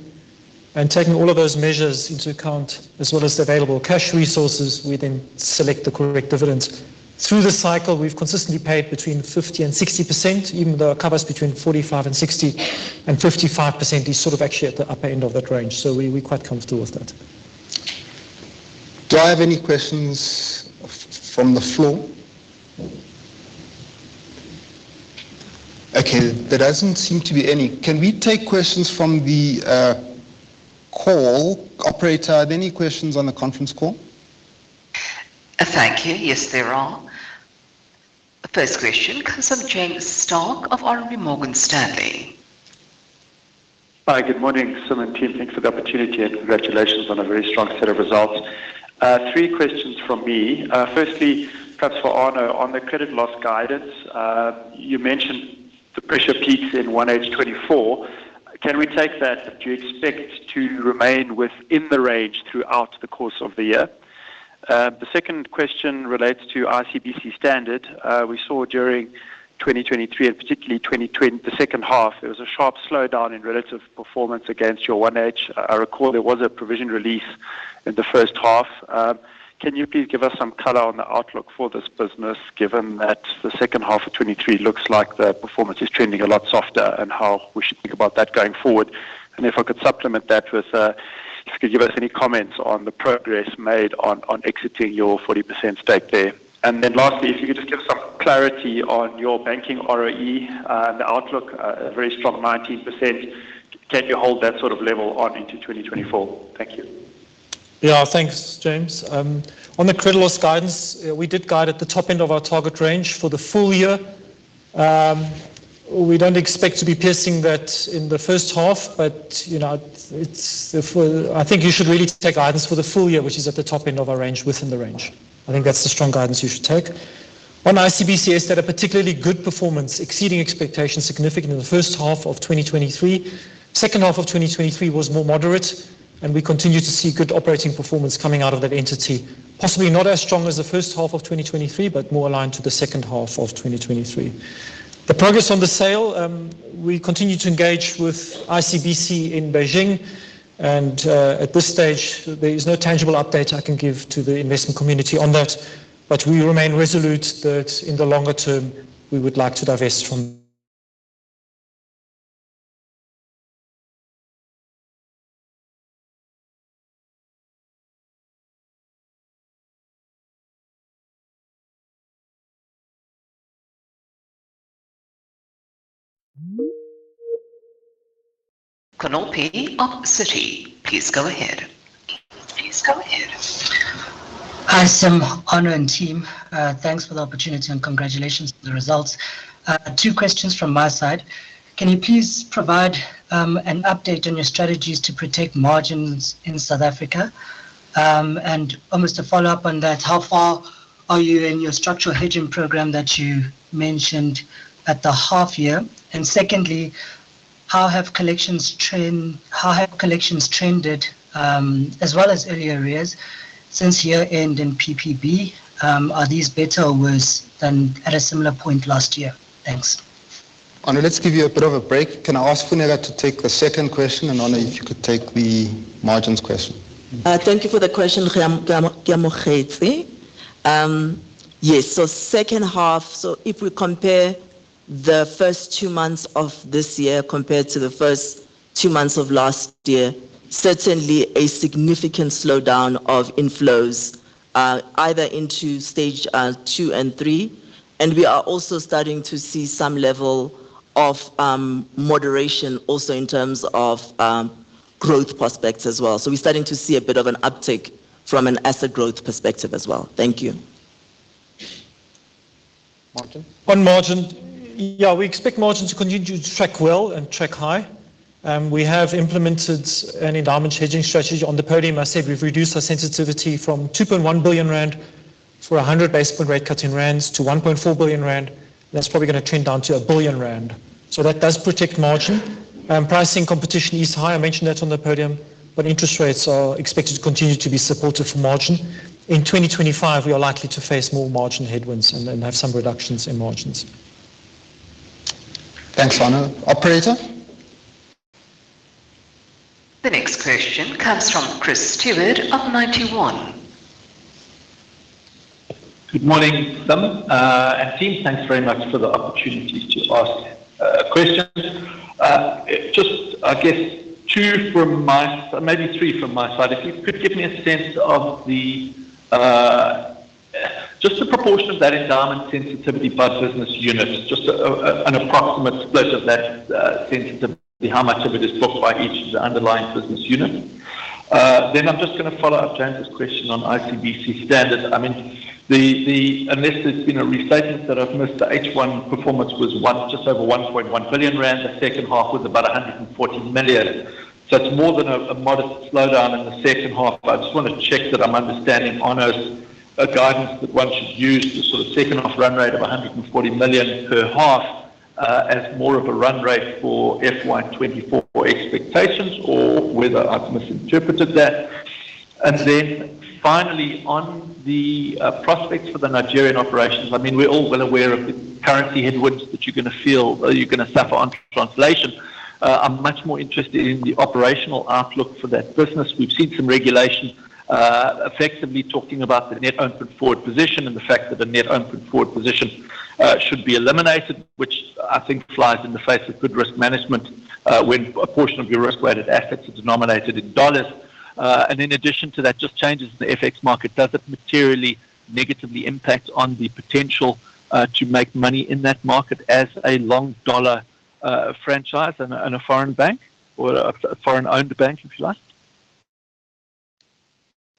And taking all of those measures into account, as well as the available cash resources, we then select the correct dividends. Through the cycle, we've consistently paid between 50%-60%, even though our cover is between 45-60, and 55% is sort of actually at the upper end of that range. So we, we're quite comfortable with that. Do I have any questions from the floor? Okay, there doesn't seem to be any. Can we take questions from the call? Operator, are there any questions on the conference call? Thank you. Yes, there are. First question comes from James Stark of RMB Morgan Stanley. Hi, good morning, Sim team. Thanks for the opportunity and congratulations on a very strong set of results. Three questions from me. Firstly, perhaps for Arno, on the credit loss guidance, you mentioned the pressure peaks in 1H 2024. Can we take that, do you expect to remain within the range throughout the course of the year? The second question relates to ICBC Standard. We saw during 2023, and particularly the second half, there was a sharp slowdown in relative performance against your 1H. I recall there was a provision release in the first half. Can you please give us some color on the outlook for this business, given that the second half of 2023 looks like the performance is trending a lot softer, and how we should think about that going forward? If I could supplement that with, if you could give us any comments on the progress made on exiting your 40% stake there. And then lastly, if you could just give some clarity on your banking ROE, the outlook, a very strong 19%. Can you hold that sort of level on into 2024? Thank you. Yeah. Thanks, James. On the credit loss guidance, we did guide at the top end of our target range for the full year. We don't expect to be piercing that in the first half, but, you know, it's the full—I think you should really take guidance for the full year, which is at the top end of our range, within the range. I think that's the strong guidance you should take. On ICBC, I said a particularly good performance, exceeding expectations significantly in the first half of 2023. Second half of 2023 was more moderate, and we continue to see good operating performance coming out of that entity. Possibly not as strong as the first half of 2023, but more aligned to the second half of 2023. The progress on the sale, we continue to engage with ICBC in Beijing, and, at this stage, there is no tangible update I can give to the investment community on that. But we remain resolute that in the longer term, we would like to divest from- Keamogetsi please go ahead. Please go ahead. Hi, Sim, Arno, and team. Thanks for the opportunity, and congratulations on the results. Two questions from my side: Can you please provide an update on your strategies to protect margins in South Africa? And almost a follow-up on that, how far are you in your structural hedging program that you mentioned at the half year? And secondly, how have collections trended, as well as early arrears since year-end in PPB? Are these better or worse than at a similar point last year? Thanks. Arno, let's give you a bit of a break. Can I ask Funeka to take the second question, and, Arno, if you could take the margins question? Thank you for the question, Keamogetsi. Yes, so second half, so if we compare the first two months of this year compared to the first two months of last year, certainly a significant slowdown of inflows, either into Stage 2 and 3, and we are also starting to see some level of moderation also in terms of growth prospects as well. So we're starting to see a bit of an uptick from an asset growth perspective as well. Thank you. Margin? On margin, yeah, we expect margins to continue to track well and track high. We have implemented an endowment hedging strategy on the podium. I said we've reduced our sensitivity from 2.1 billion rand for a 100 basis point rate cut in rands to 1.4 billion rand. That's probably gonna trend down to 1 billion rand, so that does protect margin. Pricing competition is high, I mentioned that on the podium, but interest rates are expected to continue to be supportive for margin. In 2025, we are likely to face more margin headwinds and then have some reductions in margins. Thanks, Honor. Operator? The next question comes from Chris Steward of Ninety One. Good morning, Sam, and team. Thanks very much for the opportunity to ask questions. Just I guess two from my... Maybe three from my side. If you could give me a sense of the just the proportion of that endowment sensitivity by business unit, just an approximate split of that sensitivity, how much of it is booked by each of the underlying business units? Then I'm just gonna follow up James's question on ICBC Standard. I mean, the... Unless there's been a restatement that I've missed, the H1 performance was one, just over 1.1 billion rand. The second half was about 140 million. So it's more than a modest slowdown in the second half. I just want to check that I'm understanding Arno's guidance, that one should use the sort of second half run rate of 140 million per half as more of a run rate for FY 2024 expectations, or whether I've misinterpreted that. And then finally, on the prospects for the Nigerian operations, I mean, we're all well aware of the currency headwinds that you're gonna feel or you're gonna suffer on translation. I'm much more interested in the operational outlook for that business. We've seen some regulation effectively talking about the net open position and the fact that the net open position should be eliminated, which I think flies in the face of good risk management, when a portion of your risk-weighted assets are denominated in dollars. And in addition to that, just changes in the FX market, does it materially negatively impact on the potential to make money in that market as a long dollar franchise and a, and a foreign bank or a, a foreign-owned bank, if you like?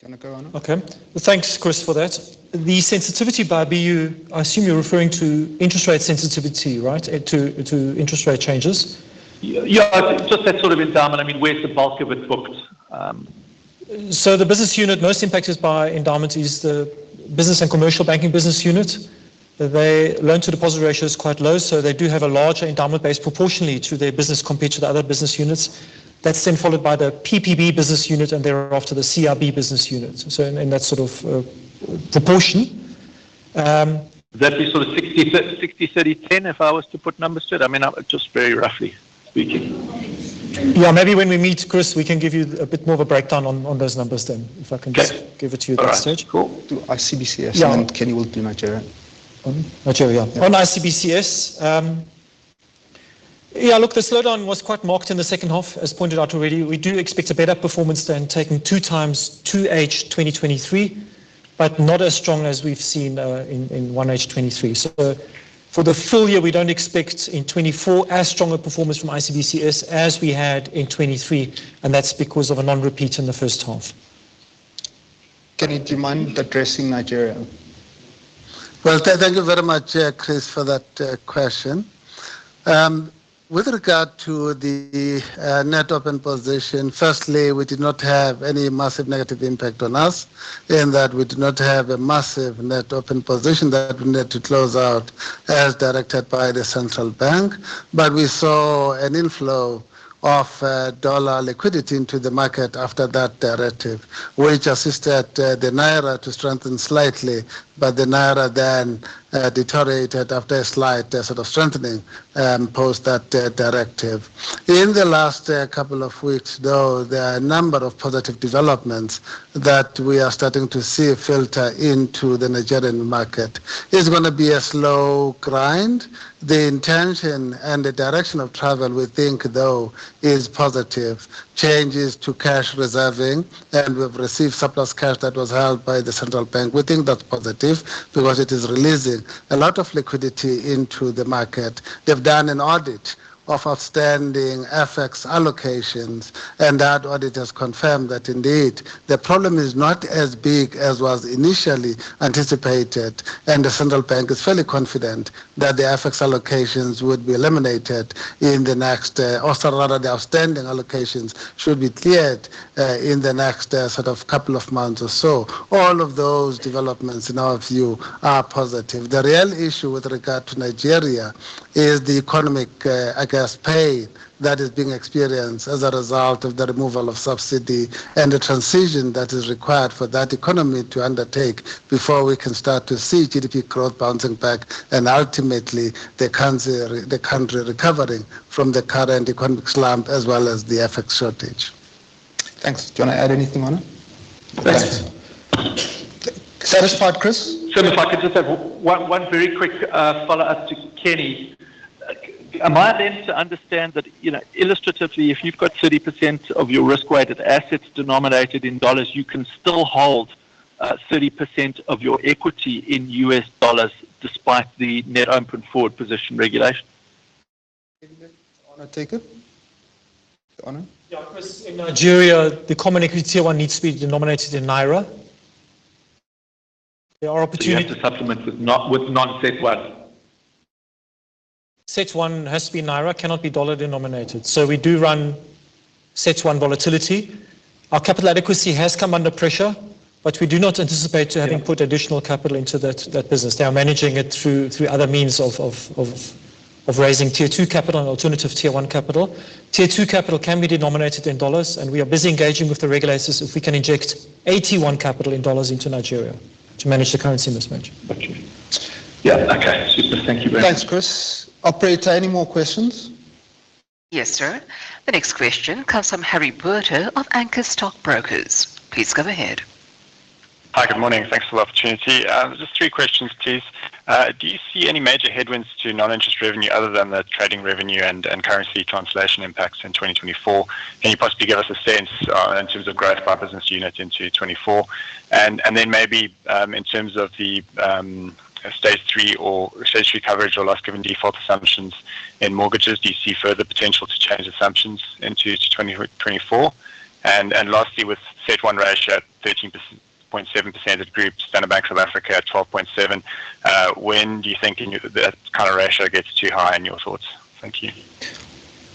Can I go, Honor? Okay. Well, thanks, Chris, for that. The sensitivity by BU, I assume you're referring to interest rate sensitivity, right? To interest rate changes. Yeah, just that sort of endowment. I mean, where's the bulk of it booked? So the business unit most impacted by endowments is the Business and Commercial Banking business unit. Their loan-to-deposit ratio is quite low, so they do have a larger endowment base proportionally to their business compared to the other business units. That's then followed by the PPB business unit, and thereafter, the CIB business unit. So in that sort of proportion. That is sort of 60, 60/30/10, if I was to put numbers to it? I mean, just very roughly speaking. Yeah, maybe when we meet, Chris, we can give you a bit more of a breakdown on those numbers then, if I can just- Okay. give it to you at that stage. All right, cool. Do ICBCS- Yeah. And then Kenny will do Nigeria. Mm-hmm. Nigeria, yeah. On ICBCS, yeah, look, the slowdown was quite marked in the second half, as pointed out already. We do expect a better performance than 2x 2H 2023, but not as strong as we've seen in 1H 2023. So for the full year, we don't expect in 2024 as strong a performance from ICBCS as we had in 2023, and that's because of a non-repeat in the first half. Kenny, do you mind addressing Nigeria? Well, thank you very much, Chris, for that question. With regard to the net open position, firstly, we did not have any massive negative impact on us in that we did not have a massive net open position that we needed to close out as directed by the Central Bank. But we saw an inflow of dollar liquidity into the market after that directive, which assisted the naira to strengthen slightly, but the naira then deteriorated after a slight sort of strengthening post that directive. In the last couple of weeks, though, there are a number of positive developments that we are starting to see filter into the Nigerian market. It's gonna be a slow grind. The intention and the direction of travel, we think, though, is positive. Changes to cash reserving, and we've received surplus cash that was held by the Central Bank. We think that's positive because it is releasing a lot of liquidity into the market. They've done an audit of outstanding FX allocations, and that audit has confirmed that indeed the problem is not as big as was initially anticipated, and the Central Bank is fairly confident that the FX allocations would be eliminated in the next, or a lot of the outstanding allocations should be cleared, in the next, sort of couple of months or so. All of those developments, in our view, are positive. The real issue with regard to Nigeria is the economic, I guess, pain that is being experienced as a result of the removal of subsidy and the transition that is required for that economy to undertake before we can start to see GDP growth bouncing back and ultimately the country, the country recovering from the current economic slump as well as the FX shortage. Thanks. Do you want to add anything, Honor? Thanks. Satisfied, Chris? Sorry, if I could just have one very quick follow-up to Kenny. Am I then to understand that, you know, illustratively, if you've got 30% of your risk-weighted assets denominated in dollars, you can still hold 30% of your equity in US dollars despite the net open position regulation? Honor take it? Honor. Yeah, Chris, in Nigeria, the Common Equity Tier 1 needs to be denominated in Naira. There are opportunities- You have to supplement with non-Set one. CET1 has to be naira, cannot be dollar-denominated. So we do run CET1 volatility. Our capital adequacy has come under pressure, but we do not anticipate to having- Yeah ...put additional capital into that business. They are managing it through other means of raising Tier 2 capital and alternative Tier 1 capital. Tier 2 capital can be denominated in dollars, and we are busy engaging with the regulators if we can inject AT1 capital in dollars into Nigeria to manage the currency mismatch. Thank you. Yeah, okay. Super. Thank you very much. Thanks, Chris. Operator, any more questions? Yes, sir. The next question comes from Harry Berger of Anchor Stockbrokers. Please go ahead. Hi, good morning. Thanks for the opportunity. Just three questions, please. Do you see any major headwinds to non-interest revenue other than the trading revenue and currency translation impacts in 2024? Can you possibly give us a sense, in terms of growth by business unit into 2024? And then maybe, in terms of the stage three or stage three coverage or loss given default assumptions in mortgages, do you see further potential to change assumptions into 2024? And lastly, with CET1 ratio at 13.7% of group, Standard Bank of South Africa at 12.7, when do you think in your- that kind of ratio gets too high in your thoughts? Thank you.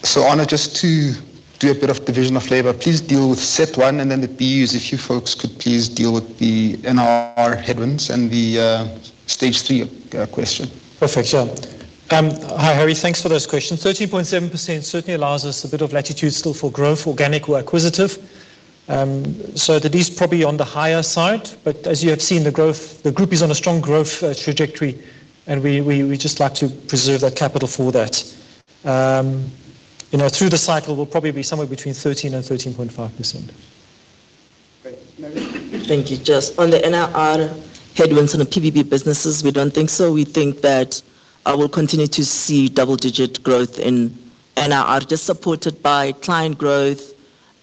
So Arno, just to do a bit of division of labor, please deal with Set one, and then the PUs, if you folks could please deal with the NIR headwinds and the Stage 3 question. Perfect. Yeah. Hi, Harry. Thanks for those questions. 13.7% certainly allows us a bit of latitude still for growth, organic or acquisitive. So that is probably on the higher side, but as you have seen, the growth. The group is on a strong growth trajectory, and we just like to preserve that capital for that. You know, through the cycle, we'll probably be somewhere between 13% and 13.5%. Great.Funeka? Thank you. Just on the NIR headwinds on the PPB businesses, we don't think so. We think that I will continue to see double-digit growth in NIR, just supported by client growth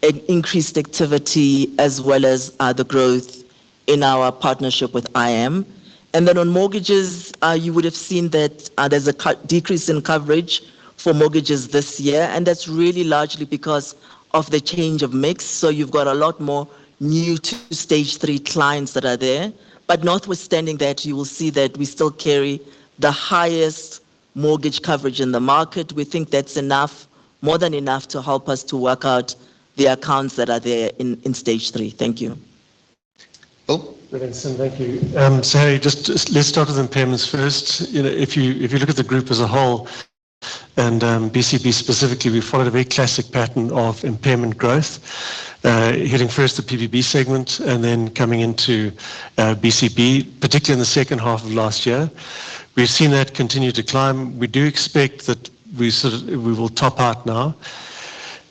and increased activity, as well as, the growth in our partnership with IAM. And then on mortgages, you would have seen that, there's a decrease in coverage for mortgages this year, and that's really largely because of the change of mix. So you've got a lot more new two-stage three clients that are there. But notwithstanding that, you will see that we still carry the highest mortgage coverage in the market. We think that's enough, more than enough to help us to work out the accounts that are there in Stage 3. Thank you. Bill? Good, then, sir. Thank you. So just, just let's start with the impairments first. You know, if you, if you look at the group as a whole and, BCB specifically, we followed a very classic pattern of impairment growth, hitting first the PPB segment and then coming into, BCB, particularly in the second half of last year. We've seen that continue to climb. We do expect that we sort of- we will top out now.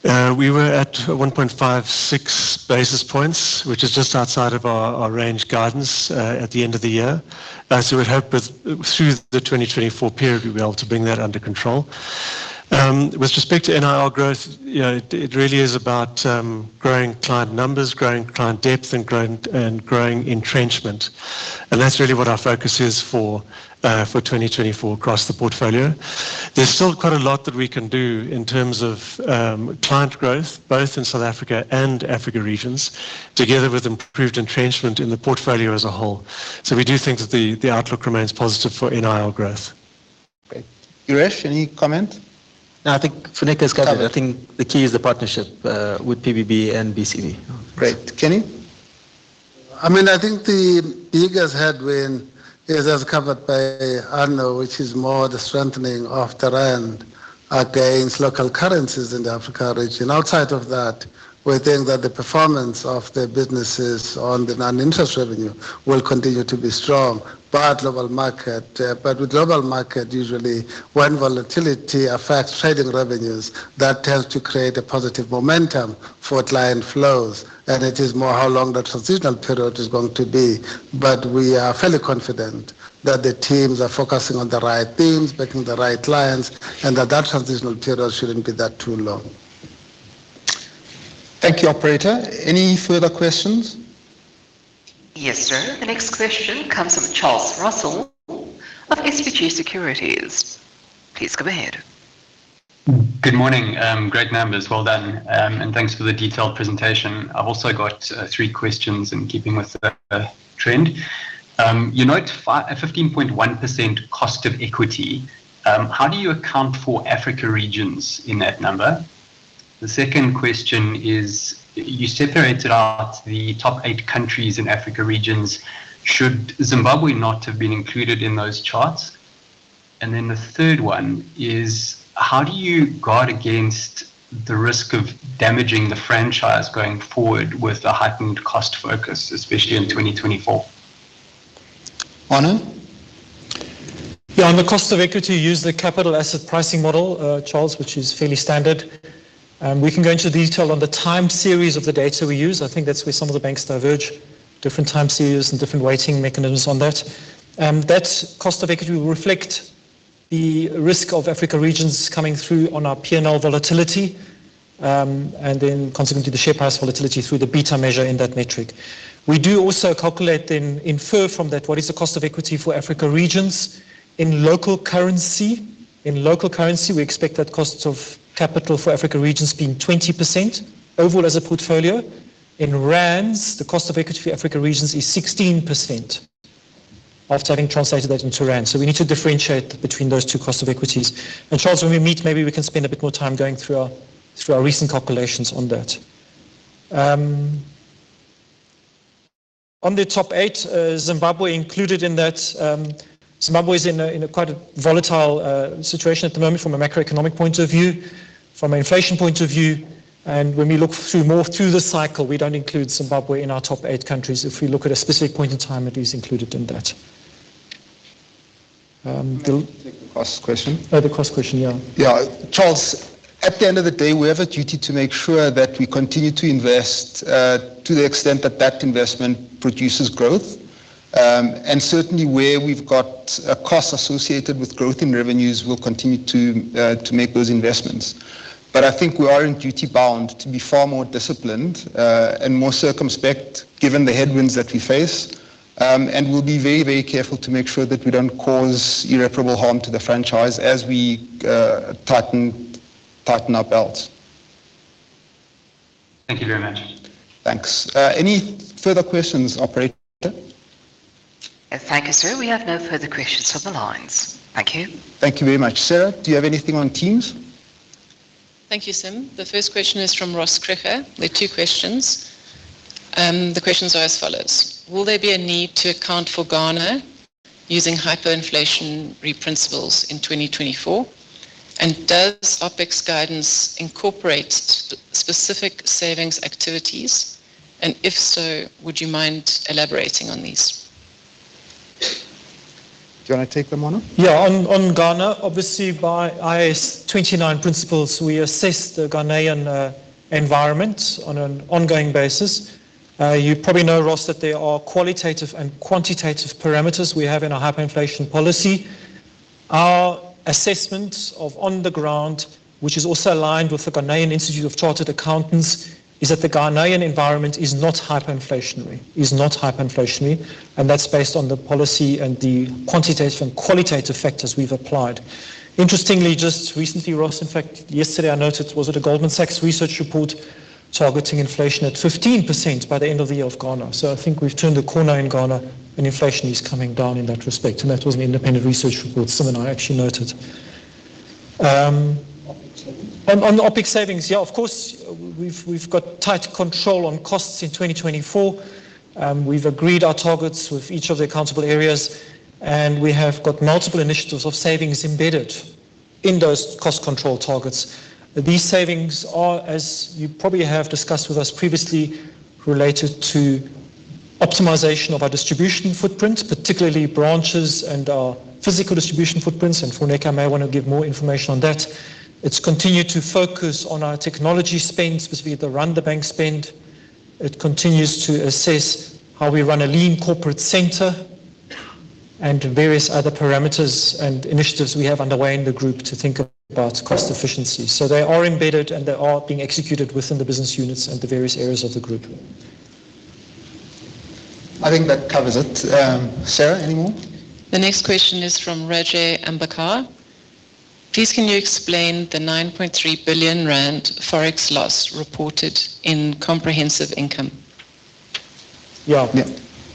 We were at 1.56 basis points, which is just outside of our, our range guidance, at the end of the year. So we hope through the 2024 period, we'll be able to bring that under control. With respect to NIR growth, you know, it really is about growing client numbers, growing client depth, and growing entrenchment, and that's really what our focus is for 2024 across the portfolio. There's still quite a lot that we can do in terms of client growth, both in South Africa and Africa regions, together with improved entrenchment in the portfolio as a whole. So we do think that the outlook remains positive for NIR growth. Great. Yuresh, any comment? No, I think Funeka has covered it. Covered. I think the key is the partnership with PPB and BCB. Great. Kenny? I mean, I think the biggest headwind is as covered by Arno, which is more the strengthening of the rand against local currencies in the Africa region. Outside of that, we think that the performance of the businesses on the non-interest revenue will continue to be strong, but with global market, usually when volatility affects trading revenues, that tends to create a positive momentum for client flows, and it is more how long the transitional period is going to be. But we are fairly confident that the teams are focusing on the right things, backing the right clients, and that that transitional period shouldn't be that too long. Thank you. Operator, any further questions? Yes, sir. The next question comes from Charles Russell of SBG Securities. Please go ahead. Good morning. Great numbers. Well done. And thanks for the detailed presentation. I've also got, three questions in keeping with the trend. You note fifteen point one percent cost of equity. How do you account for Africa regions in that number? The second question is, you separated out the top eight countries in Africa regions. Should Zimbabwe not have been included in those charts? And then the third one is: how do you guard against the risk of damaging the franchise going forward with a heightened cost focus, especially in 2024? Arno? Yeah, on the cost of equity, we use the Capital Asset Pricing Model, Charles, which is fairly standard. We can go into detail on the time series of the data we use. I think that's where some of the banks diverge, different time series and different weighting mechanisms on that. That cost of equity will reflect the risk of Africa regions coming through on our P&L volatility, and then consequently, the share price volatility through the beta measure in that metric. We do also calculate and infer from that what is the cost of equity for Africa regions in local currency. In local currency, we expect that costs of capital for Africa regions being 20% overall as a portfolio. In rands, the cost of equity for Africa regions is 16% after having translated that into rand. We need to differentiate between those two cost of equities. And Charles, when we meet, maybe we can spend a bit more time going through our recent calculations on that. On the top eight, Zimbabwe included in that, Zimbabwe is in a quite volatile situation at the moment from a macroeconomic point of view, from an inflation point of view. And when we look through the cycle, we don't include Zimbabwe in our top eight countries. If we look at a specific point in time, it is included in that. Do- Take the cost question. The cost question. Yeah. Yeah. Charles, at the end of the day, we have a duty to make sure that we continue to invest to the extent that that investment produces growth. And certainly, where we've got a cost associated with growth in revenues, we'll continue to make those investments. But I think we are in duty bound to be far more disciplined and more circumspect, given the headwinds that we face. And we'll be very, very careful to make sure that we don't cause irreparable harm to the franchise as we tighten, tighten our belts. Thank you very much. Thanks. Any further questions, operator? Thank you, sir. We have no further questions from the lines. Thank you. Thank you very much. Sarah, do you have anything on Teams? Thank you, Sim. The first question is from Ross Krige, with two questions. The questions are as follows: Will there be a need to account for Ghana using hyperinflationary principles in 2024? And does OPEX's guidance incorporate specific savings activities, and if so, would you mind elaborating on these? Do you wanna take them, Arno? Yeah. On Ghana, obviously, by IAS 29 principles, we assess the Ghanaian environment on an ongoing basis. You probably know, Ross, that there are qualitative and quantitative parameters we have in our hyperinflation policy. Our assessment on the ground, which is also aligned with the Ghanaian Institute of Chartered Accountants, is that the Ghanaian environment is not hyperinflationary. It is not hyperinflationary, and that's based on the policy and the quantitative and qualitative factors we've applied. Interestingly, just recently, Ross, in fact, yesterday, I noted, was it a Goldman Sachs research report targeting inflation at 15% by the end of the year in Ghana? So I think we've turned a corner in Ghana, and inflation is coming down in that respect, and that was an independent research report someone I actually noted. OPEX savings. On the OPEX savings, yeah, of course, we've, we've got tight control on costs in 2024. We've agreed our targets with each of the accountable areas, and we have got multiple initiatives of savings embedded in those cost control targets. These savings are, as you probably have discussed with us previously, related to optimization of our distribution footprint, particularly branches and our physical distribution footprints, and Funeka may wanna give more information on that. It's continued to focus on our technology spend, specifically the run the bank spend. It continues to assess how we run a lean corporate center and various other parameters and initiatives we have underway in the group to think about cost efficiency. So they are embedded, and they are being executed within the business units and the various areas of the group. I think that covers it. Sarah, any more? The next question is from Rajay Ambekar. Please, can you explain the 9.3 billion rand Forex loss reported in comprehensive income?... Yeah. Yeah,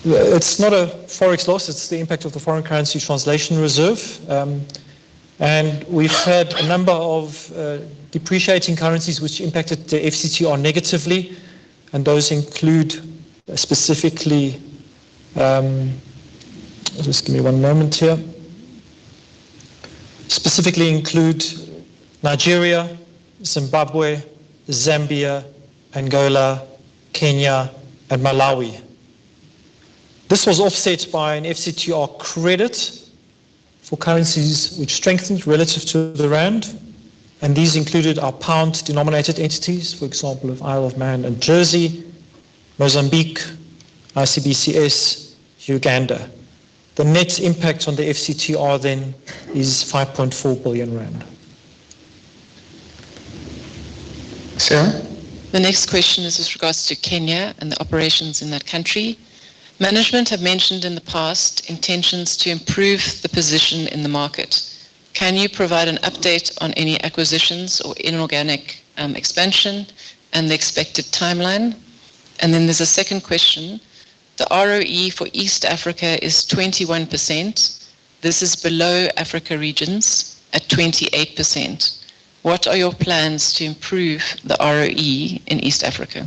it's not a Forex loss, it's the impact of the foreign currency translation reserve. And we've had a number of depreciating currencies which impacted the FCTR negatively, and those include specifically Nigeria, Zimbabwe, Zambia, Angola, Kenya, and Malawi. This was offset by an FCTR credit for currencies which strengthened relative to the rand, and these included our pound-denominated entities, for example, of Isle of Man and Jersey, Mozambique, ICBCS, Uganda. The net impact on the FCTR then is 5.4 billion rand. Sarah? The next question is with regards to Kenya and the operations in that country. Management have mentioned in the past intentions to improve the position in the market. Can you provide an update on any acquisitions or inorganic expansion and the expected timeline? And then there's a second question: The ROE for East Africa is 21%. This is below Africa regions at 28%. What are your plans to improve the ROE in East Africa?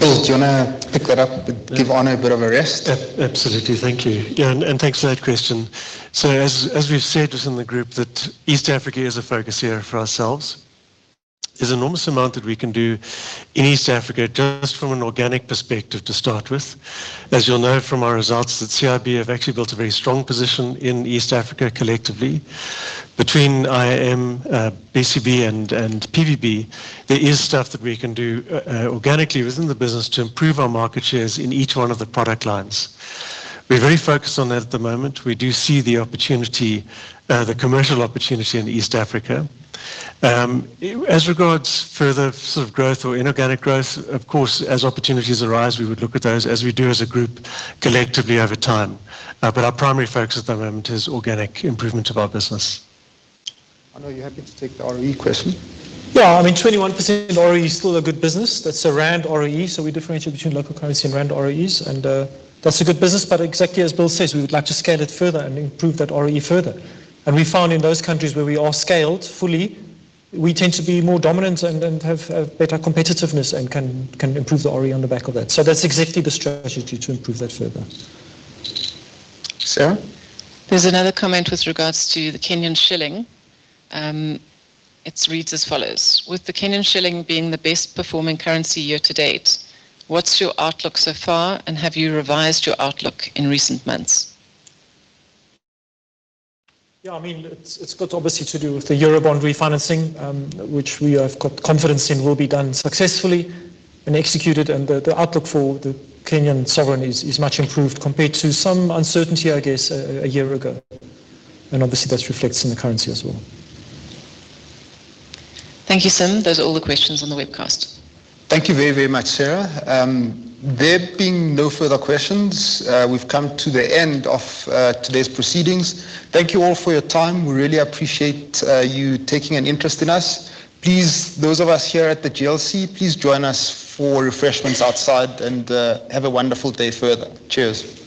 Bill, do you wanna pick that up and give Arno a bit of a rest? Absolutely. Thank you. Yeah, and, and thanks for that question. So as, as we've said within the group, that East Africa is a focus area for ourselves. There's enormous amount that we can do in East Africa just from an organic perspective, to start with. As you'll know from our results, that CIB have actually built a very strong position in East Africa collectively. Between IM, BCB, and, and PBB, there is stuff that we can do, organically within the business to improve our market shares in each one of the product lines. We're very focused on that at the moment. We do see the opportunity, the commercial opportunity in East Africa. As regards further sort of growth or inorganic growth, of course, as opportunities arise, we would look at those as we do as a group collectively over time. Our primary focus at the moment is organic improvement of our business. Arno, are you happy to take the ROE question? Yeah. I mean, 21% ROE is still a good business. That's a rand ROE, so we differentiate between local currency and rand ROEs, and that's a good business. But exactly as Bill says, we would like to scale it further and improve that ROE further. And we found in those countries where we are scaled fully, we tend to be more dominant and have better competitiveness, and can improve the ROE on the back of that. So that's exactly the strategy to improve that further. Sarah? There's another comment with regards to the Kenyan shilling. It reads as follows: With the Kenyan shilling being the best performing currency year to date, what's your outlook so far, and have you revised your outlook in recent months? Yeah, I mean, it's got obviously to do with the Eurobond refinancing, which we have got confidence in will be done successfully and executed, and the outlook for the Kenyan sovereign is much improved compared to some uncertainty, I guess, a year ago. And obviously, that reflects in the currency as well. Thank you, Sim. Those are all the questions on the webcast. Thank you very, very much, Sarah. There being no further questions, we've come to the end of today's proceedings. Thank you all for your time. We really appreciate you taking an interest in us. Please, those of us here at the GLC, please join us for refreshments outside and have a wonderful day further. Cheers!